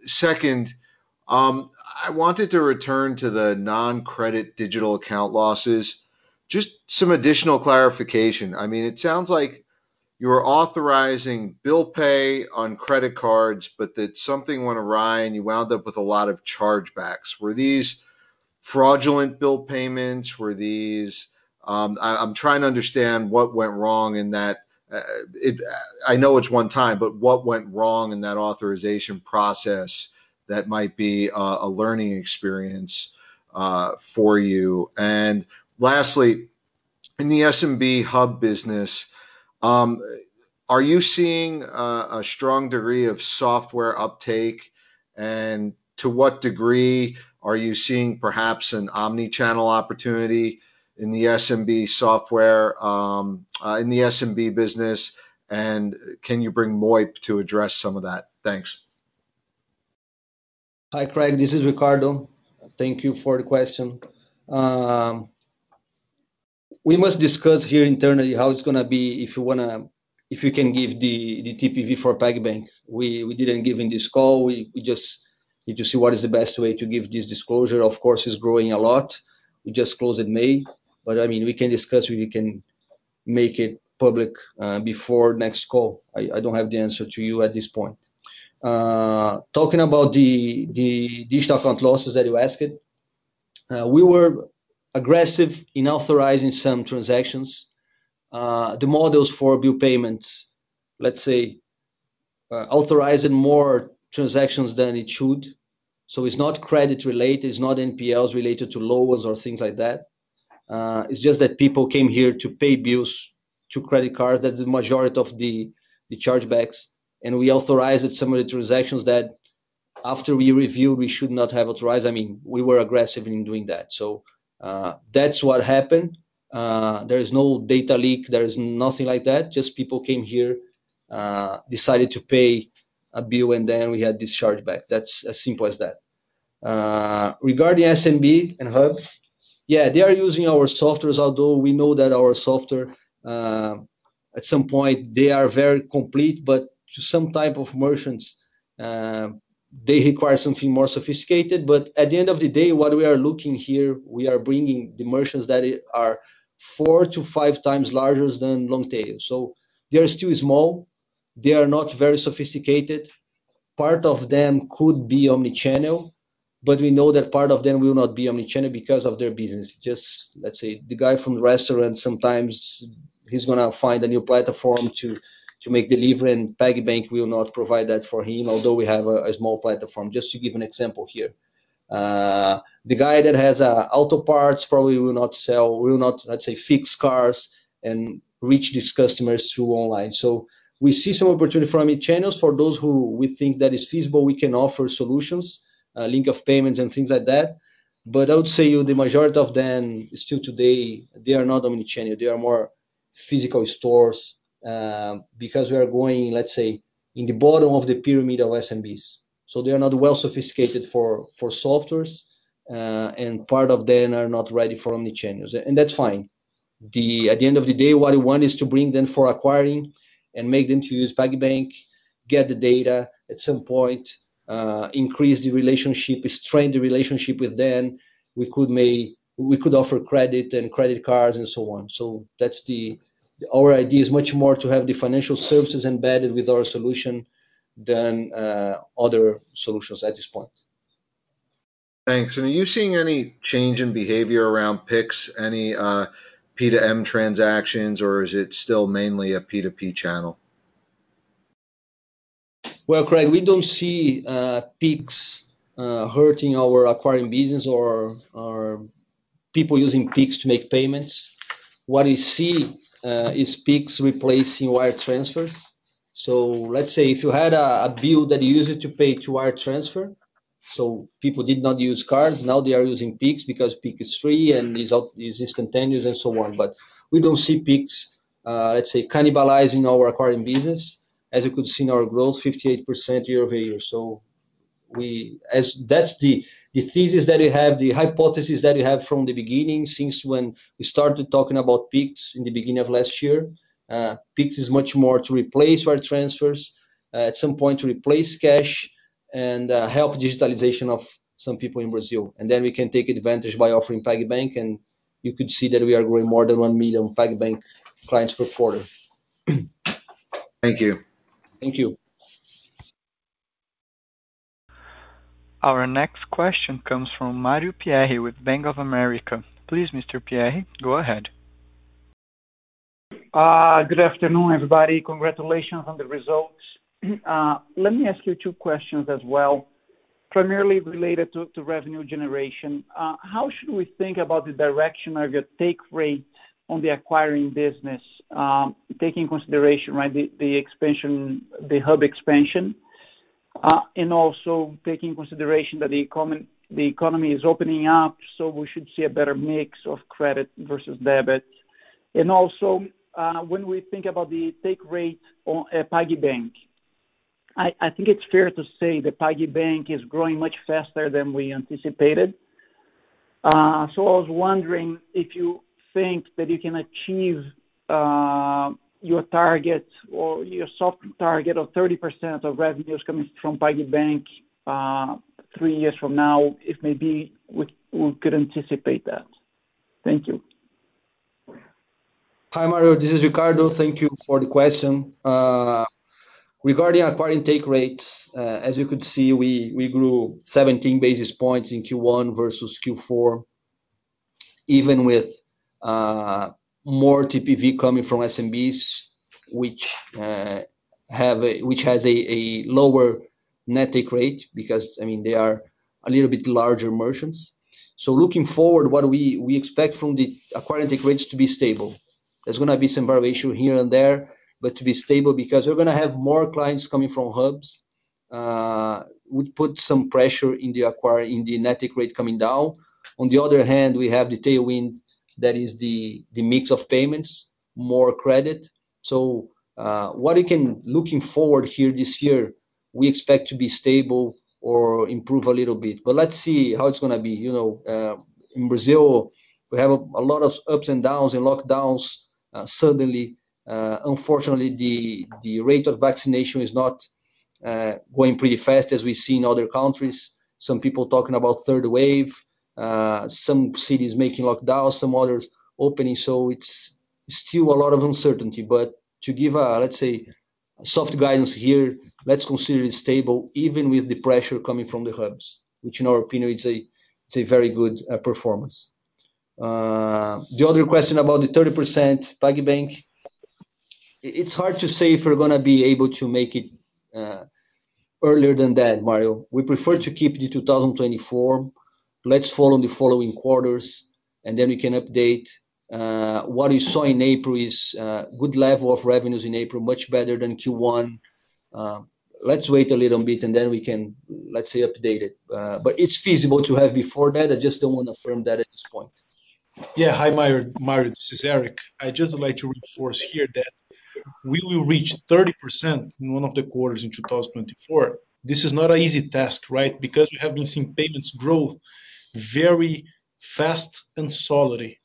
Second, I wanted to return to the non-credit digital account losses. Just some additional clarification. It sounds like you're authorizing bill pay on credit cards, but that something went awry and you wound up with a lot of chargebacks. Were these fraudulent bill payments? I'm trying to understand what went wrong in that-- I know it's one time, but what went wrong in that authorization process that might be a learning experience for you? Lastly, in the SMB hub business, are you seeing a strong degree of software uptake? To what degree are you seeing perhaps an omnichannel opportunity in the SMB business? Can you bring Moip to address some of that? Thanks.
Hi, Craig. This is Ricardo. Thank you for the question. We must discuss here internally how it's going to be if you can give the TPV for PagBank. We didn't give in this call. We just need to see what is the best way to give this disclosure. Of course, it's growing a lot. We just closed in May. We can discuss, we can make it public before next call. I don't have the answer to you at this point. Talking about the digital account losses that you asked, we were aggressive in authorizing some transactions. The models for bill payments, let's say, authorizing more transactions than it should. It's not credit related, it's not NPLs related to loans or things like that. It's just that people came here to pay bills through credit cards. That's the majority of the chargebacks, and we authorized some of the transactions that after we reviewed, we should not have authorized. We were aggressive in doing that. That's what happened. There's no data leak. There's nothing like that. Just people came here, decided to pay a bill, and then we had this chargeback. That's as simple as that. Regarding SMB and hubs, yeah, they are using our softwares, although we know that our software at some point, they are very complete, but to some type of merchants, they require something more sophisticated. At the end of the day, what we are looking here, we are bringing the merchants that are four to five times larger than long tail. They are still small. They are not very sophisticated. Part of them could be omnichannel, we know that part of them will not be omnichannel because of their business. Just let's say the guy from the restaurant, sometimes he's going to find a new platform to make delivery, PagBank will not provide that for him, although we have a small platform. Just to give an example here. The guy that has auto parts probably will not, let's say, fix cars and reach these customers through online. We see some opportunity for omnichannels. For those who we think that is feasible, we can offer solutions, link of payments, and things like that. I'll say the majority of them still today, they are not omnichannel. They are more physical stores, because we are going, let's say, in the bottom of the pyramid of SMBs. They're not well-sophisticated for softwares, and part of them are not ready for omnichannel, and that's fine. At the end of the day, what I want is to bring them for acquiring and make them to use PagBank, get the data, at some point increase the relationship, strengthen the relationship with them. We could offer credit and credit cards and so on. Our idea is much more to have the financial services embedded with our solution than other solutions at this point.
Thanks. Are you seeing any change in behavior around Pix, any P2M transactions, or is it still mainly a P2P channel?
Well, Craig, we don't see Pix hurting our acquiring business or people using Pix to make payments. What we see is Pix replacing wire transfers. Let's say if you had a bill that you used to pay through wire transfer, people did not use cards, now they are using Pix because Pix is free and is instantaneous and so on. We don't see Pix, let's say, cannibalizing our acquiring business. As you could see in our growth, 58% year-over-year. That's the thesis that we have, the hypothesis that we had from the beginning, since when we started talking about Pix in the beginning of last year. Pix is much more to replace wire transfers, at some point to replace cash, and help digitalization of some people in Brazil. We can take advantage by offering PagBank, and you could see that we are growing more than 1 million PagBank clients per quarter.
Thank you.
Thank you.
Our next question comes from Mario Pierry with Bank of America. Please, Mr. Pierry, go ahead.
Good afternoon, everybody. Congratulations on the results. Let me ask you two questions as well. Primarily related to revenue generation. How should we think about the direction of the take rate on the acquiring business, taking consideration the Hubs expansion, and also taking consideration that the economy is opening up, so we should see a better mix of credit versus debit? Also when we think about the take rate on PagBank, I think it's fair to say that PagBank is growing much faster than we anticipated. I was wondering if you think that you can achieve your target or your soft target of 30% of revenues coming from PagBank three years from now, if maybe we could anticipate that. Thank you.
Hi, Mario. This is Ricardo. Thank you for the question. Regarding acquiring take rates, as you could see, we grew 17 basis points in Q1 versus Q4, even with more TPV coming from SMBs, which has a lower net take rate because they are a little bit larger merchants. Looking forward, what we expect from the acquiring take rates to be stable. There's going to be some variation here and there, but to be stable because we're going to have more clients coming from Hubb's. We put some pressure in the net take rate coming down. On the other hand, we have the tailwind, that is the mix of payments, more credit. Looking forward here this year, we expect to be stable or improve a little bit. Let's see how it's going to be. In Brazil, we have a lot of ups and downs and lockdowns suddenly. Unfortunately, the rate of vaccination is not going pretty fast as we see in other countries. Some people talking about third wave, some cities making lockdowns, some others opening. It's still a lot of uncertainty. To give a, let's say, soft guidance here, let's consider it stable even with the pressure coming from PagBank, which in our opinion is a very good performance. The other question about the 30% PagBank. It's hard to say if we're going to be able to make it earlier than that, Mario. We prefer to keep it in 2024. Let's follow the following quarters, and then we can update. What you saw in April is a good level of revenues in April, much better than Q1. Let's wait a little bit, and then we can update it. It's feasible to have before that. I just don't want to affirm that at this point.
Yeah. Hi, Mario. This is Eric. I'd just like to reinforce here that we will reach 30% in one of the quarters in 2024. This is not an easy task because we have been seeing payments growth very fast and solidly.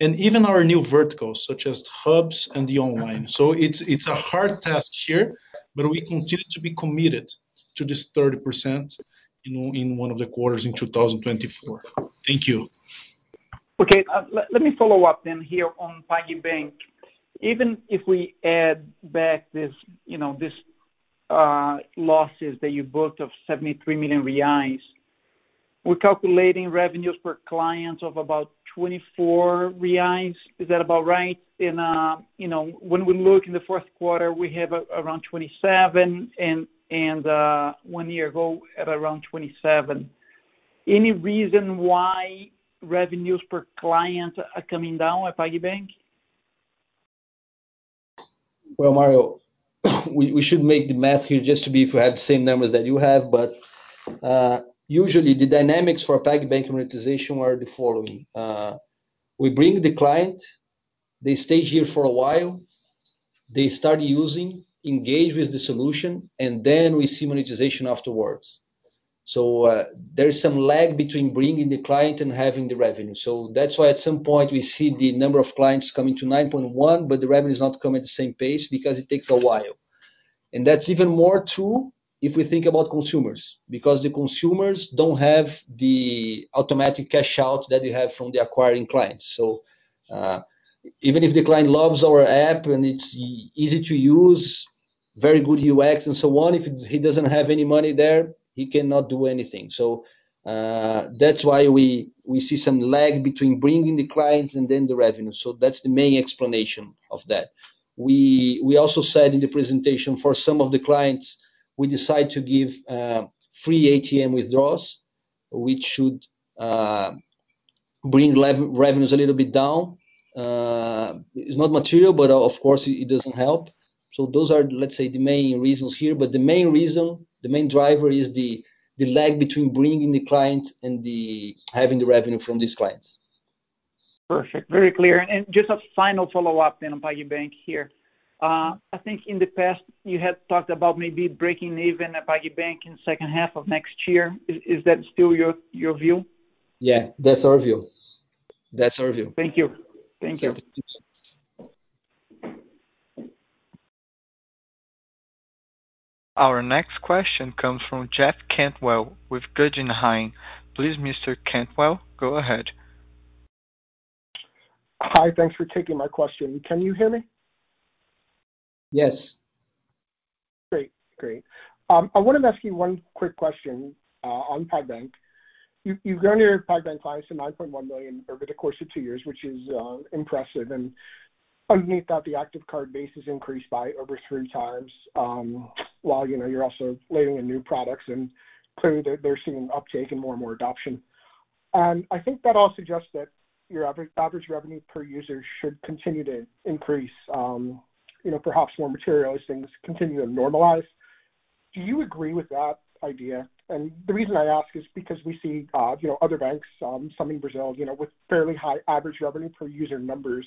Even our new verticals, such as hubs and the online. It's a hard task here, but we continue to be committed to this 30% in one of the quarters in 2024. Thank you.
Okay. Let me follow up then here on PagBank. Even if we add back these losses that you booked of 73 million reais, we're calculating revenues per clients of about 24 reais. Is that about right? When we look in the fourth quarter, we have around 27, and one year ago at around 27. Any reason why revenues per client are coming down with PagBank?
Mario, we should make the math here just to be if we have the same numbers that you have. Usually the dynamics for PagBank monetization are the following. We bring the client, they stay here for a while, they start using, engage with the solution. Then we see monetization afterwards. There's some lag between bringing the client and having the revenue. That's why at some point we see the number of clients coming to 9.1. The revenue is not coming at the same pace because it takes a while. That's even more true if we think about consumers, because the consumers don't have the automatic cash out that you have from the acquiring clients. Even if the client loves our app and it's easy to use, very good UX and so on, if he doesn't have any money there, he cannot do anything. That's why we see some lag between bringing the clients and then the revenue. That's the main explanation of that. We also said in the presentation for some of the clients, we decide to give free ATM withdrawals, which should bring revenues a little bit down. It's not material, but of course, it doesn't help. Those are, let's say, the main reasons here, but the main reason, the main driver is the lag between bringing the clients and having the revenue from these clients.
Perfect. Very clear. Just a final follow-up then on PagBank here. I think in the past, you had talked about maybe breaking even at PagBank in the second half of next year. Is that still your view?
Yeah, that's our view.
Thank you.
Yes.
Our next question comes from Jeff Cantwell with Guggenheim. Please, Mr. Cantwell, go ahead.
Hi. Thanks for taking my question. Can you hear me?
Yes.
Great. I wanted to ask you one quick question on PagBank. You've grown your PagBank clients to 9.1 million over the course of two years, which is impressive. Underneath that, the active card base has increased by over three times, while you're also laying in new products and clearly they're seeing an uptake and more and more adoption. I think that all suggests that your average revenue per user should continue to increase, perhaps more materially as things continue to normalize. Do you agree with that idea? The reason I ask is because we see other banks, some in Brazil, with fairly high average revenue per user numbers.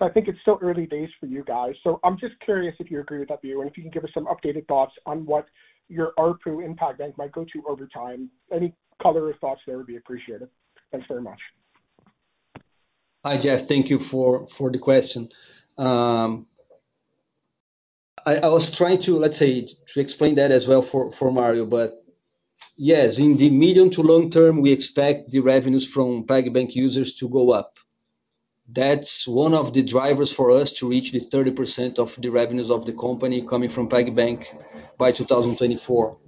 I think it's still early days for you guys. I'm just curious if you agree with that view and if you can give us some updated thoughts on what your ARPU in PagBank might go to over time. Any color or thoughts there would be appreciated. Thanks very much.
Hi, Jeff. Thank you for the question. I was trying to, let's say, explain that as well for Mario. Yes, in the medium to long term, we expect the revenues from PagBank users to go up. That's one of the drivers for us to reach the 30% of the revenues of the company coming from PagBank by 2024.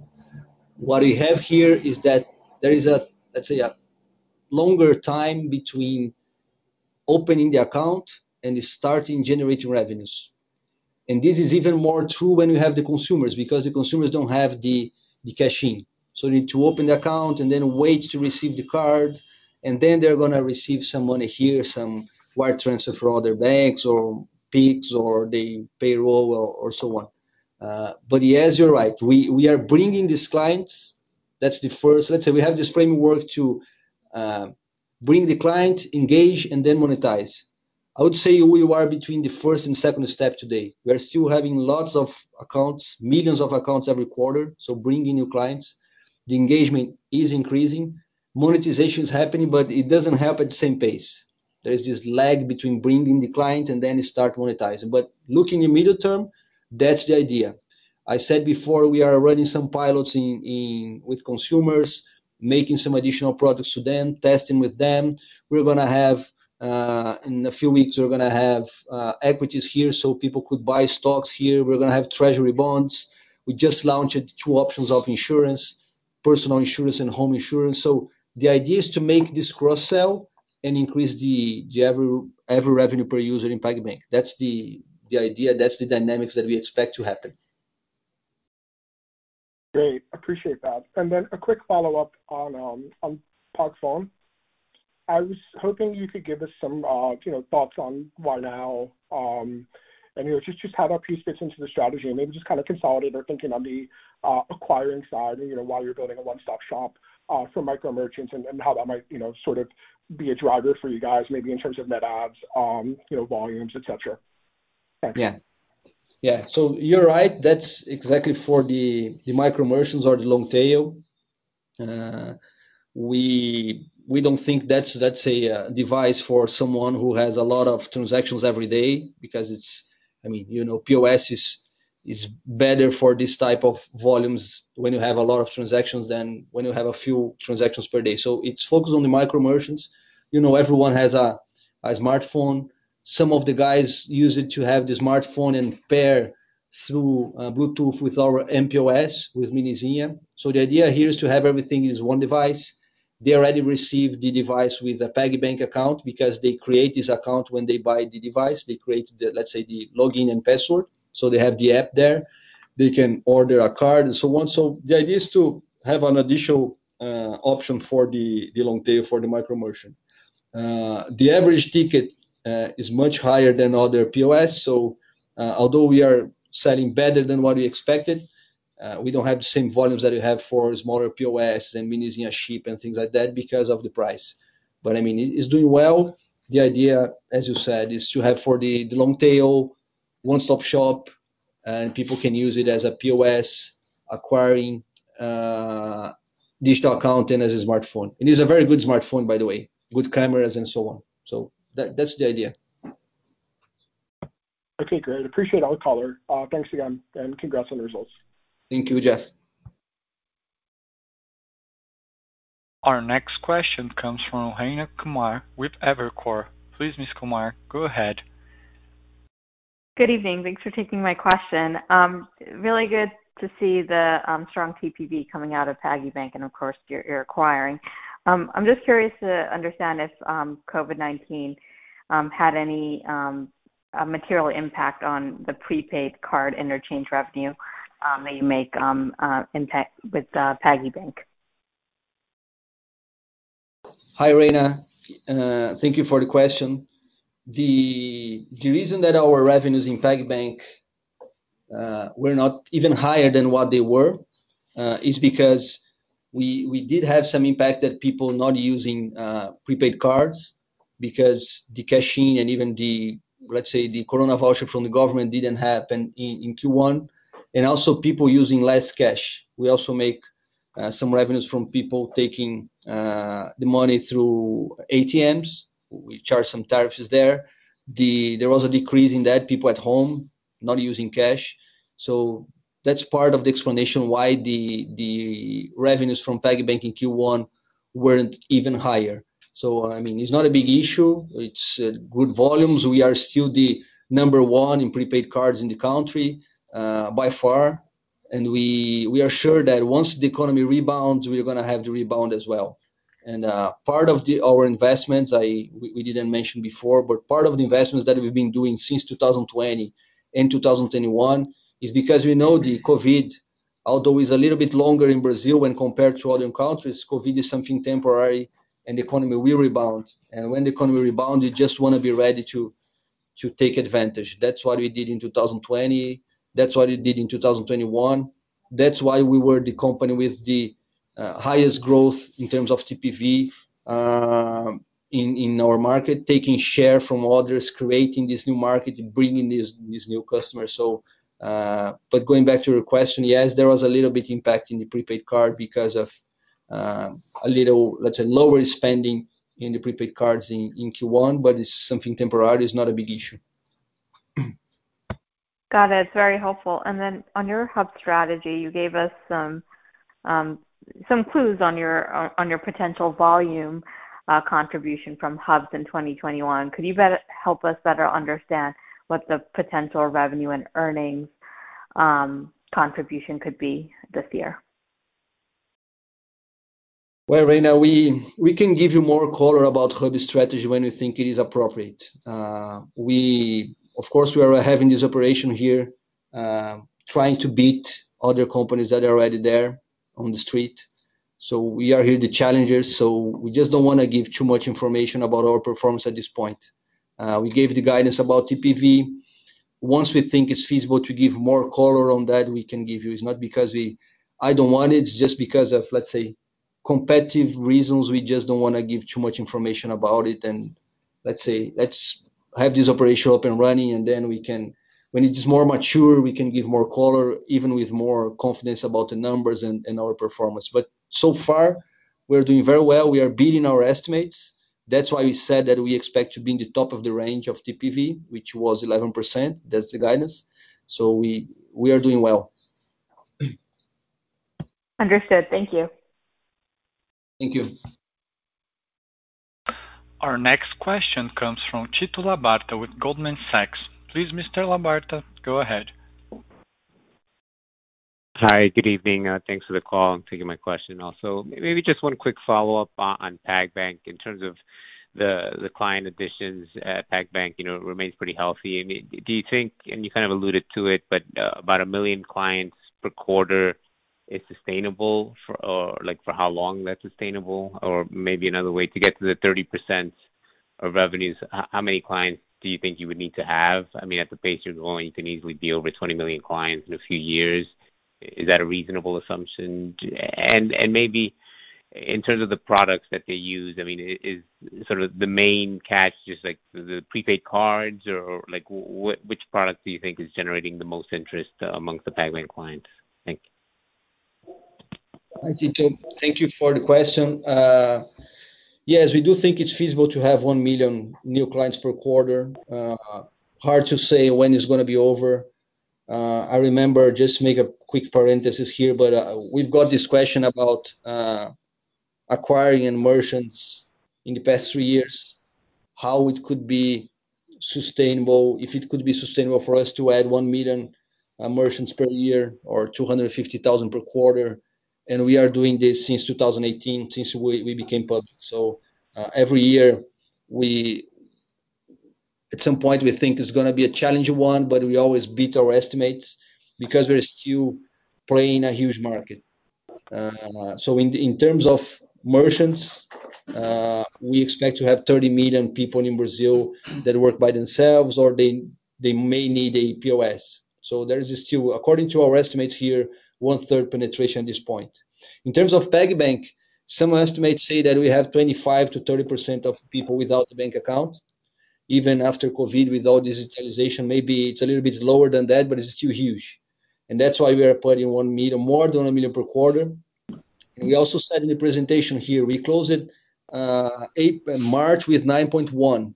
What you have here is that there is a, let's say, a longer time between opening the account and starting generating revenues. This is even more true when you have the consumers, because the consumers don't have the cash in. They need to open the account and then wait to receive the card, and then they're going to receive some money here, some wire transfer from other banks or Pix or the payroll or so on. Yes, you're right. We are bringing these clients. That's the first. Let's say we have this framework to bring the clients, engage, and then monetize. I would say we are between the first and second step today. We are still having lots of accounts, millions of accounts every quarter, so bringing new clients. The engagement is increasing. Monetization is happening, but it doesn't happen at the same pace. There's this lag between bringing the client and then start monetizing. Looking in the medium term, that's the idea. I said before, we are running some pilots with consumers, making some additional products to them, testing with them. In a few weeks, we're going to have equities here so people could buy stocks here. We're going to have treasury bonds. We just launched two options of insurance. Personal insurance and home insurance. The idea is to make this cross-sell and increase the average revenue per user in PagBank. That's the idea. That's the dynamics that we expect to happen.
Great. Appreciate that. Then a quick follow-up on PagPhone. I was hoping you could give us some thoughts on why now, and just how that piece fits into the strategy, and maybe just consolidate our thinking on the acquiring side, while you're building a one-stop shop for micro merchants, and how that might be a driver for you guys maybe in terms of net adds, volumes, et cetera.
Yeah. You're right. That's exactly for the micro merchants or the long tail. We don't think that's a device for someone who has a lot of transactions every day because POS is better for this type of volumes when you have a lot of transactions than when you have a few transactions per day. It's focused on the micro merchants. Everyone has a smartphone. Some of the guys use it to have the smartphone and pair through Bluetooth with our mPOS, with Minizinha. The idea here is to have everything in one device. They already receive the device with a PagBank account because they create this account when they buy the device. They create, let's say, the login and password. They have the app there. They can order a card and so on. The idea is to have an additional option for the long tail, for the micro merchant. The average ticket is much higher than other POS, so although we are selling better than what we expected, we don't have the same volumes that we have for smaller POS and Minizinha Chip and things like that because of the price. It's doing well. The idea, as you said, is to have for the long tail, one-stop shop, and people can use it as a POS, acquiring a digital account, and as a smartphone. It is a very good smartphone, by the way, with cameras and so on. That's the idea.
Okay, great. Appreciate all the color. Thanks again, and congrats on the results.
Thank you, Jeff.
Our next question comes from Rayna Kumar with Evercore. Please, Ms. Kumar, go ahead.
Good evening. Thanks for taking my question. Really good to see the strong TPV coming out of PagBank and, of course, your acquiring. I'm just curious to understand if COVID-19 had any material impact on the prepaid card interchange revenue that you make with PagBank.
Hi, Rayna. Thank you for the question. The reason that our revenues in PagBank were not even higher than what they were is because we did have some impact of people not using prepaid cards because the cash-in and even the, let's say, the corona voucher from the government didn't happen in Q1, and also people using less cash. We also make some revenues from people taking the money through ATMs. We charge some tariffs there. There was a decrease in that, people at home not using cash. That's part of the explanation why the revenues from PagBank in Q1 weren't even higher. It's not a big issue. It's good volumes. We are still the number one in prepaid cards in the country, by far, and we are sure that once the economy rebounds, we're going to have to rebound as well. Part of our investments, we didn't mention before, but part of the investments that we've been doing since 2020 and 2021 is because we know the COVID, although is a little bit longer in Brazil when compared to other countries, COVID is something temporary, and the economy will rebound. When the economy rebounds, you just want to be ready to take advantage. That's what we did in 2020. That's what we did in 2021. That's why we were the company with the highest growth in terms of TPV in our market, taking share from others, creating this new market, and bringing these new customers. Going back to your question, yes, there was a little bit impact in the prepaid card because of a little, let's say, lower spending in the prepaid cards in Q1, but it's something temporary. It's not a big issue.
Got it. Very helpful. On your Hub strategy, you gave us some clues on your potential volume contribution from Hubs in 2021. Could you help us better understand what the potential revenue and earnings contribution could be this year?
Rayna, we can give you more color about Hub strategy when we think it is appropriate. Of course, we are having this operation here, trying to beat other companies that are already there on the street. We are here the challengers. We just don't want to give too much information about our performance at this point. We gave the guidance about TPV. Once we think it's feasible to give more color on that, we can give you. It's not because I don't want it's just because of, let's say, competitive reasons, we just don't want to give too much information about it, and let's say, let's have this operation up and running, and then when it's more mature, we can give more color, even with more confidence about the numbers and our performance. So far we're doing very well. We are beating our estimates. That's why I said that we expect to be in the top of the range of TPV, which was 11%. That's the guidance. We are doing well.
Understood. Thank you.
Thank you.
Our next question comes from Tito Labarta with Goldman Sachs. Please, Mr. Labarta, go ahead.
Hi. Good evening. Thanks for the call and taking my question also. Maybe just one quick follow-up on PagBank in terms of the client additions. PagBank remains pretty healthy. Do you think, and you kind of alluded to it, but about a million clients per quarter is sustainable? For how long that's sustainable? Maybe another way to get to the 30% of revenues, how many clients do you think you would need to have? At the pace you're going, I think it would be over 20 million clients in a few years. Is that a reasonable assumption? Maybe in terms of the products that they use, is sort of the main cash just like the prepaid cards or which product do you think is generating the most interest amongst the PagBank clients? Thank you.
Hi, Tito. Thank you for the question. Yes, we do think it's feasible to have 1 million new clients per quarter. Hard to say when it's going to be over. I remember, just make a quick parenthesis here, but we've got this question about acquiring merchants in the past three years, how it could be sustainable, if it could be sustainable for us to add 1 million merchants per year or 250,000 per quarter. We are doing this since 2018, since we became public. Every year, at some point, we think it's going to be a challenging one, but we always beat our estimates because we're still playing a huge market. In terms of merchants, we expect to have 30 million people in Brazil that work by themselves, or they may need a POS. There is still, according to our estimates here, one-third penetration at this point. In terms of PagBank, some estimates say that we have 25%-30% of people without a bank account, even after COVID with all digitalization, maybe it's a little bit lower than that, but it's still huge. That's why we are planning more than 1 million per quarter. We also said in the presentation here, we closed March with 9.1,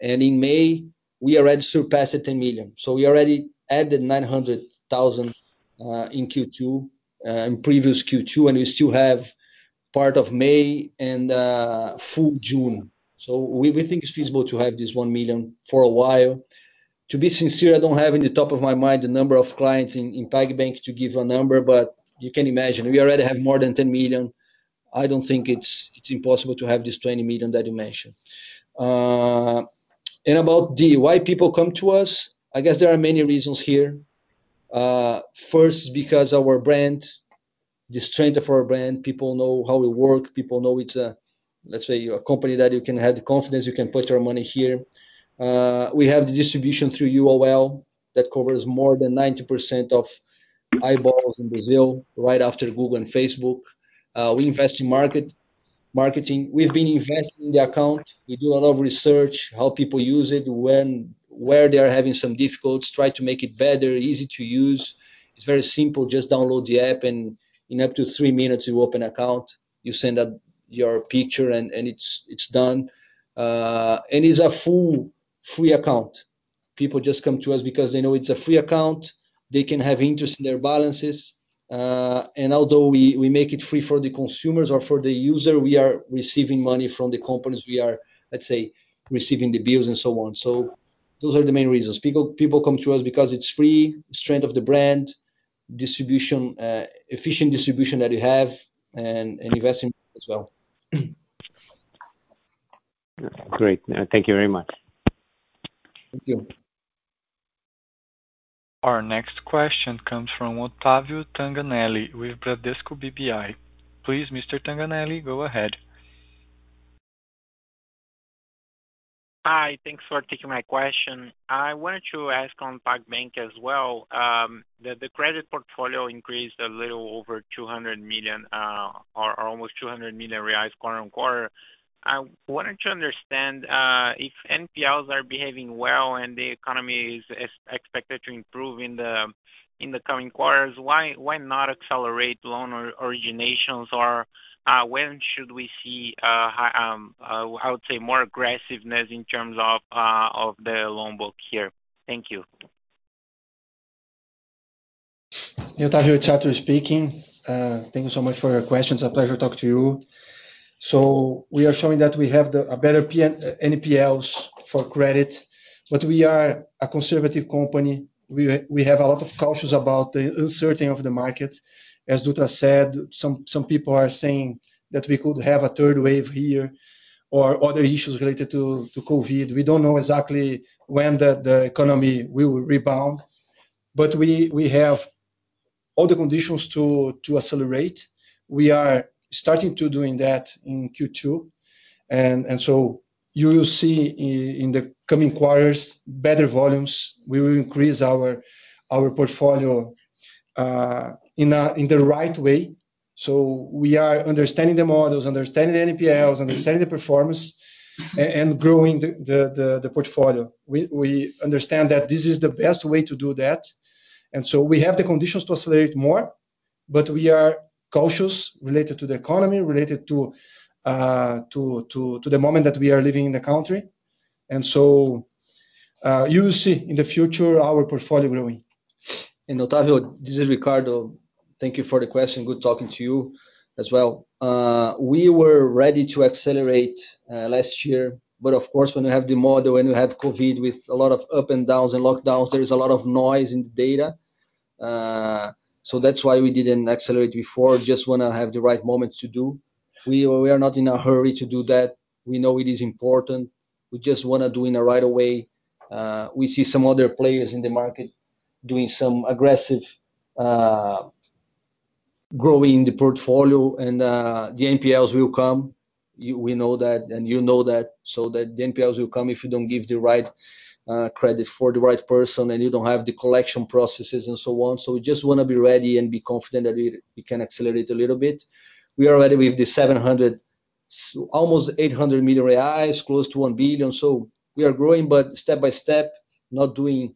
and in May, we already surpassed the 10 million. We already added 900,000 in previous Q2, and we still have part of May and full June. We think it's feasible to have this 1 million for a while. To be sincere, I don't have in the top of my mind the number of clients in PagBank to give a number, but you can imagine we already have more than 10 million. I don't think it's impossible to have this 20 million that you mentioned. About why people come to us, I guess there are many reasons here. First, because our brand, the strength of our brand, people know how we work. People know it's a, let's say, a company that you can have confidence, you can put your money here. We have distribution through UOL that covers more than 90% of eyeballs in Brazil, right after Google and Facebook. We invest in marketing. We've been investing in the account. We do a lot of research, how people use it, where they are having some difficulties, try to make it better, easy to use. It's very simple. Just download the app and in up to three minutes you open an account. You send your picture and it's done. It's a full free account. People just come to us because they know it's a free account. They can have interest in their balances. Although we make it free for the consumers or for the user, we are receiving money from the companies. We are, let's say, receiving the bills and so on. Those are the main reasons. People come to us because it's free, strength of the brand, efficient distribution that we have, and investing as well.
Great. Thank you very much.
Thank you.
Our next question comes from Otavio Tanganelli with Bradesco BBI. Please, Mr. Tanganelli, go ahead.
Hi. Thanks for taking my question. I wanted to ask on PagBank as well, the credit portfolio increased a little over 200 million quarter-on-quarter. I wanted to understand if NPLs are behaving well and the economy is expected to improve in the coming quarters, why not accelerate loan originations or when should we see, how to say, more aggressiveness in terms of the loan book here? Thank you.
Otavio, Schunck speaking. Thanks so much for your question. It's a pleasure to talk to you. We are showing that we have better NPLs for credit, but we are a conservative company. We have a lot of cautions about the uncertainty of the market. As Dutra said, some people are saying that we could have a third wave here or other issues related to COVID. We don't know exactly when the economy will rebound, but we have all the conditions to accelerate. We are starting to do that in Q2, and so you will see in the coming quarters better volumes. We will increase our portfolio in the right way. We are understanding the models, understanding the NPLs, understanding the performance, and growing the portfolio. We understand that this is the best way to do that. We have the conditions to accelerate more, but we are cautious related to the economy, related to the moment that we are living in the country. You will see in the future our portfolio growing.
Otavio, this is Ricardo. Thank you for the question, good talking to you as well. We were ready to accelerate last year, but of course, when you have the model, when you have COVID-19 with a lot of up and downs and lockdowns, there is a lot of noise in the data. That's why we didn't accelerate before. We just want to have the right moment to do. We are not in a hurry to do that. We know it is important. We just want to do it the right way. We see some other players in the market doing some aggressive growing in the portfolio, and the NPLs will come. We know that, you know that. The NPLs will come if you don't give the right credit for the right person, and you don't have the collection processes and so on. We just want to be ready and be confident that we can accelerate a little bit. We are ready with the 700, almost 800 million reais AUC, close to 1 billion. We are growing, but step by step, not doing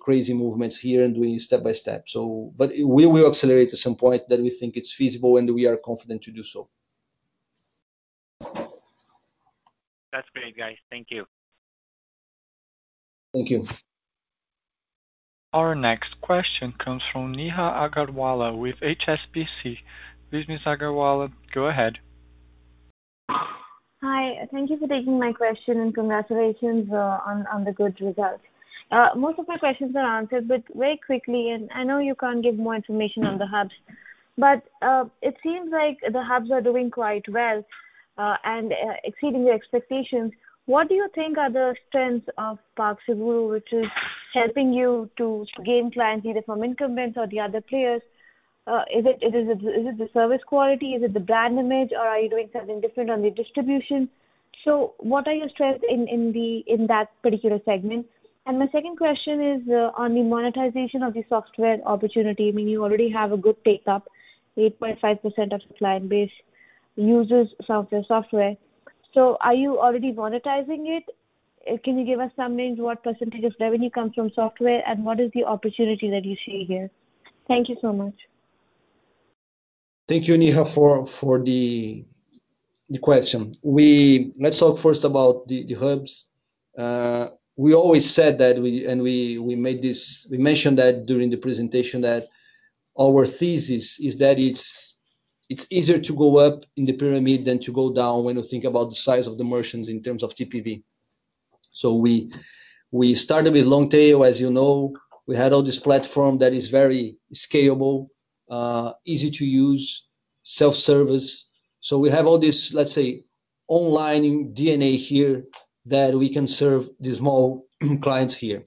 crazy movements here and doing step by step. We will accelerate at some point that we think it's feasible, and we are confident to do so.
That's great, guys. Thank you.
Thank you.
Our next question comes from Neha Agarwala with HSBC. Ms. Agarwala, go ahead.
Hi, thank you for taking my question. Congratulations on the good results. Most of my questions are answered, very quickly. I know you can't give more information on the hubs, it seems like the hubs are doing quite well and exceeding the expectations. What do you think are the strengths of PagSeguro which is helping you to gain clients either from incumbents or the other players? Is it the service quality? Is it the brand image? Are you doing something different on the distribution? What are your strengths in that particular segment? My second question is on the monetization of the software opportunity. I mean, you already have a good take-up, 8.5% of your client base uses software. Are you already monetizing it? Can you give us some means what percentage of revenue comes from software, and what is the opportunity that you see here? Thank you so much.
Thank you, Neha, for the question. Let's talk first about the hubs. We always said that, and we mentioned that during the presentation that our thesis is that it's easier to go up in the pyramid than to go down when you think about the size of the merchants in terms of TPV. We started with long tail, as you know. We had all this platform that is very scalable, easy to use, self-service. We have all this online DNA here that we can serve the small clients here.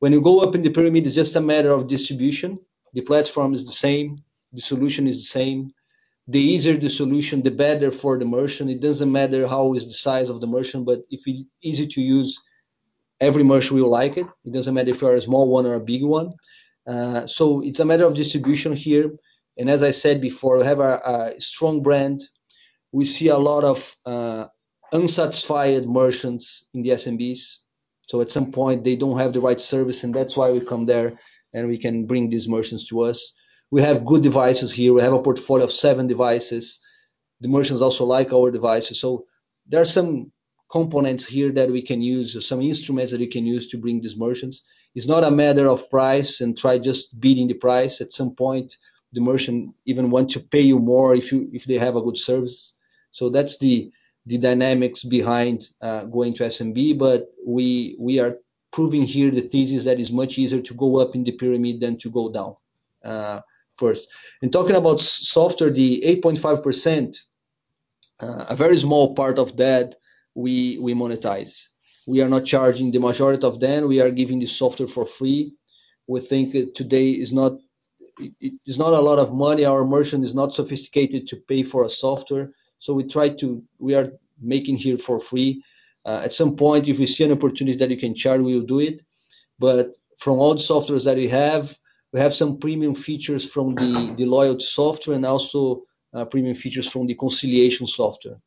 When you go up in the pyramid, it's just a matter of distribution. The platform is the same, the solution is the same. The easier the solution, the better for the merchant. It doesn't matter how is the size of the merchant, but if it's easy to use, every merchant will like it. It doesn't matter if you are a small one or a big one. It's a matter of distribution here. As I said before, we have a strong brand. We see a lot of unsatisfied merchants in the SMBs. At some point, they don't have the right service, and that's why we come there, and we can bring these merchants to us. We have good devices here. We have a portfolio of seven devices. The merchants also like our devices. There are some components here that we can use or some instruments that we can use to bring these merchants. It's not a matter of price and try just beating the price. At some point, the merchant even wants to pay you more if they have a good service. That's the dynamics behind going to SMB. We are proving here the thesis that it's much easier to go up in the pyramid than to go down first. Talking about software, the 8.5%, a very small part of that we monetize. We are not charging the majority of them. We are giving the software for free. We think that today it's not a lot of money. Our merchant is not sophisticated to pay for a software. We are making here for free. At some point, if we see an opportunity that we can charge, we will do it. From all softwares that we have, we have some premium features from the loyalty software and also premium features from the reconciliation software.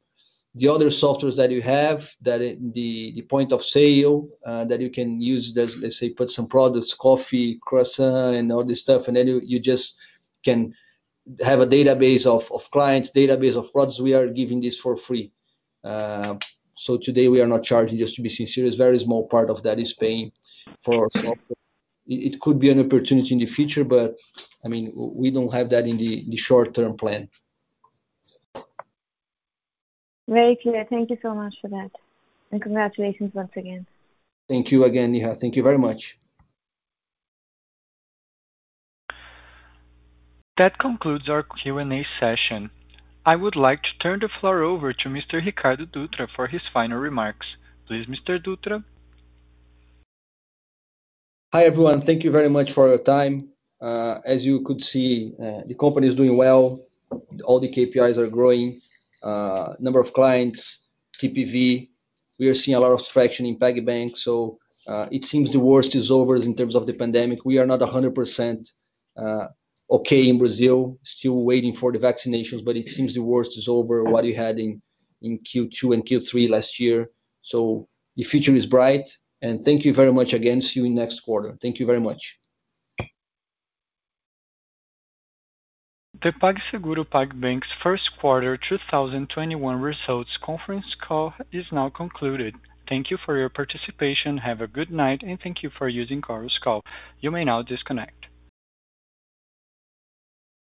The other softwares that we have, the point of sale that you can use, let's say, put some products, coffee, croissant, and all this stuff, and you just can have a database of clients, database of products, we are giving this for free. Today, we are not charging, just to be sincere. A very small part of that is paying for software. It could be an opportunity in the future, but we don't have that in the short-term plan.
Great. Thank you so much for that. Congratulations once again.
Thank you again, Neha. Thank you very much.
That concludes our Q&A session. I would like to turn the floor over to Mr. Ricardo Dutra for his final remarks. Please, Mr. Dutra.
Hi, everyone. Thank you very much for your time. As you could see, the company is doing well. All the KPIs are growing. Number of clients, TPV. We are seeing a lot of traction in PagBank. It seems the worst is over in terms of the pandemic. We are not 100% okay in Brazil, still waiting for the vaccinations. It seems the worst is over what we had in Q2 and Q3 last year. The future is bright. Thank you very much again. See you next quarter. Thank you very much.
The PagBank PagSeguro's first quarter 2021 results conference call is now concluded. Thank you for your participation. Have a good night, and thank you for using Chorus Call. You may now disconnect.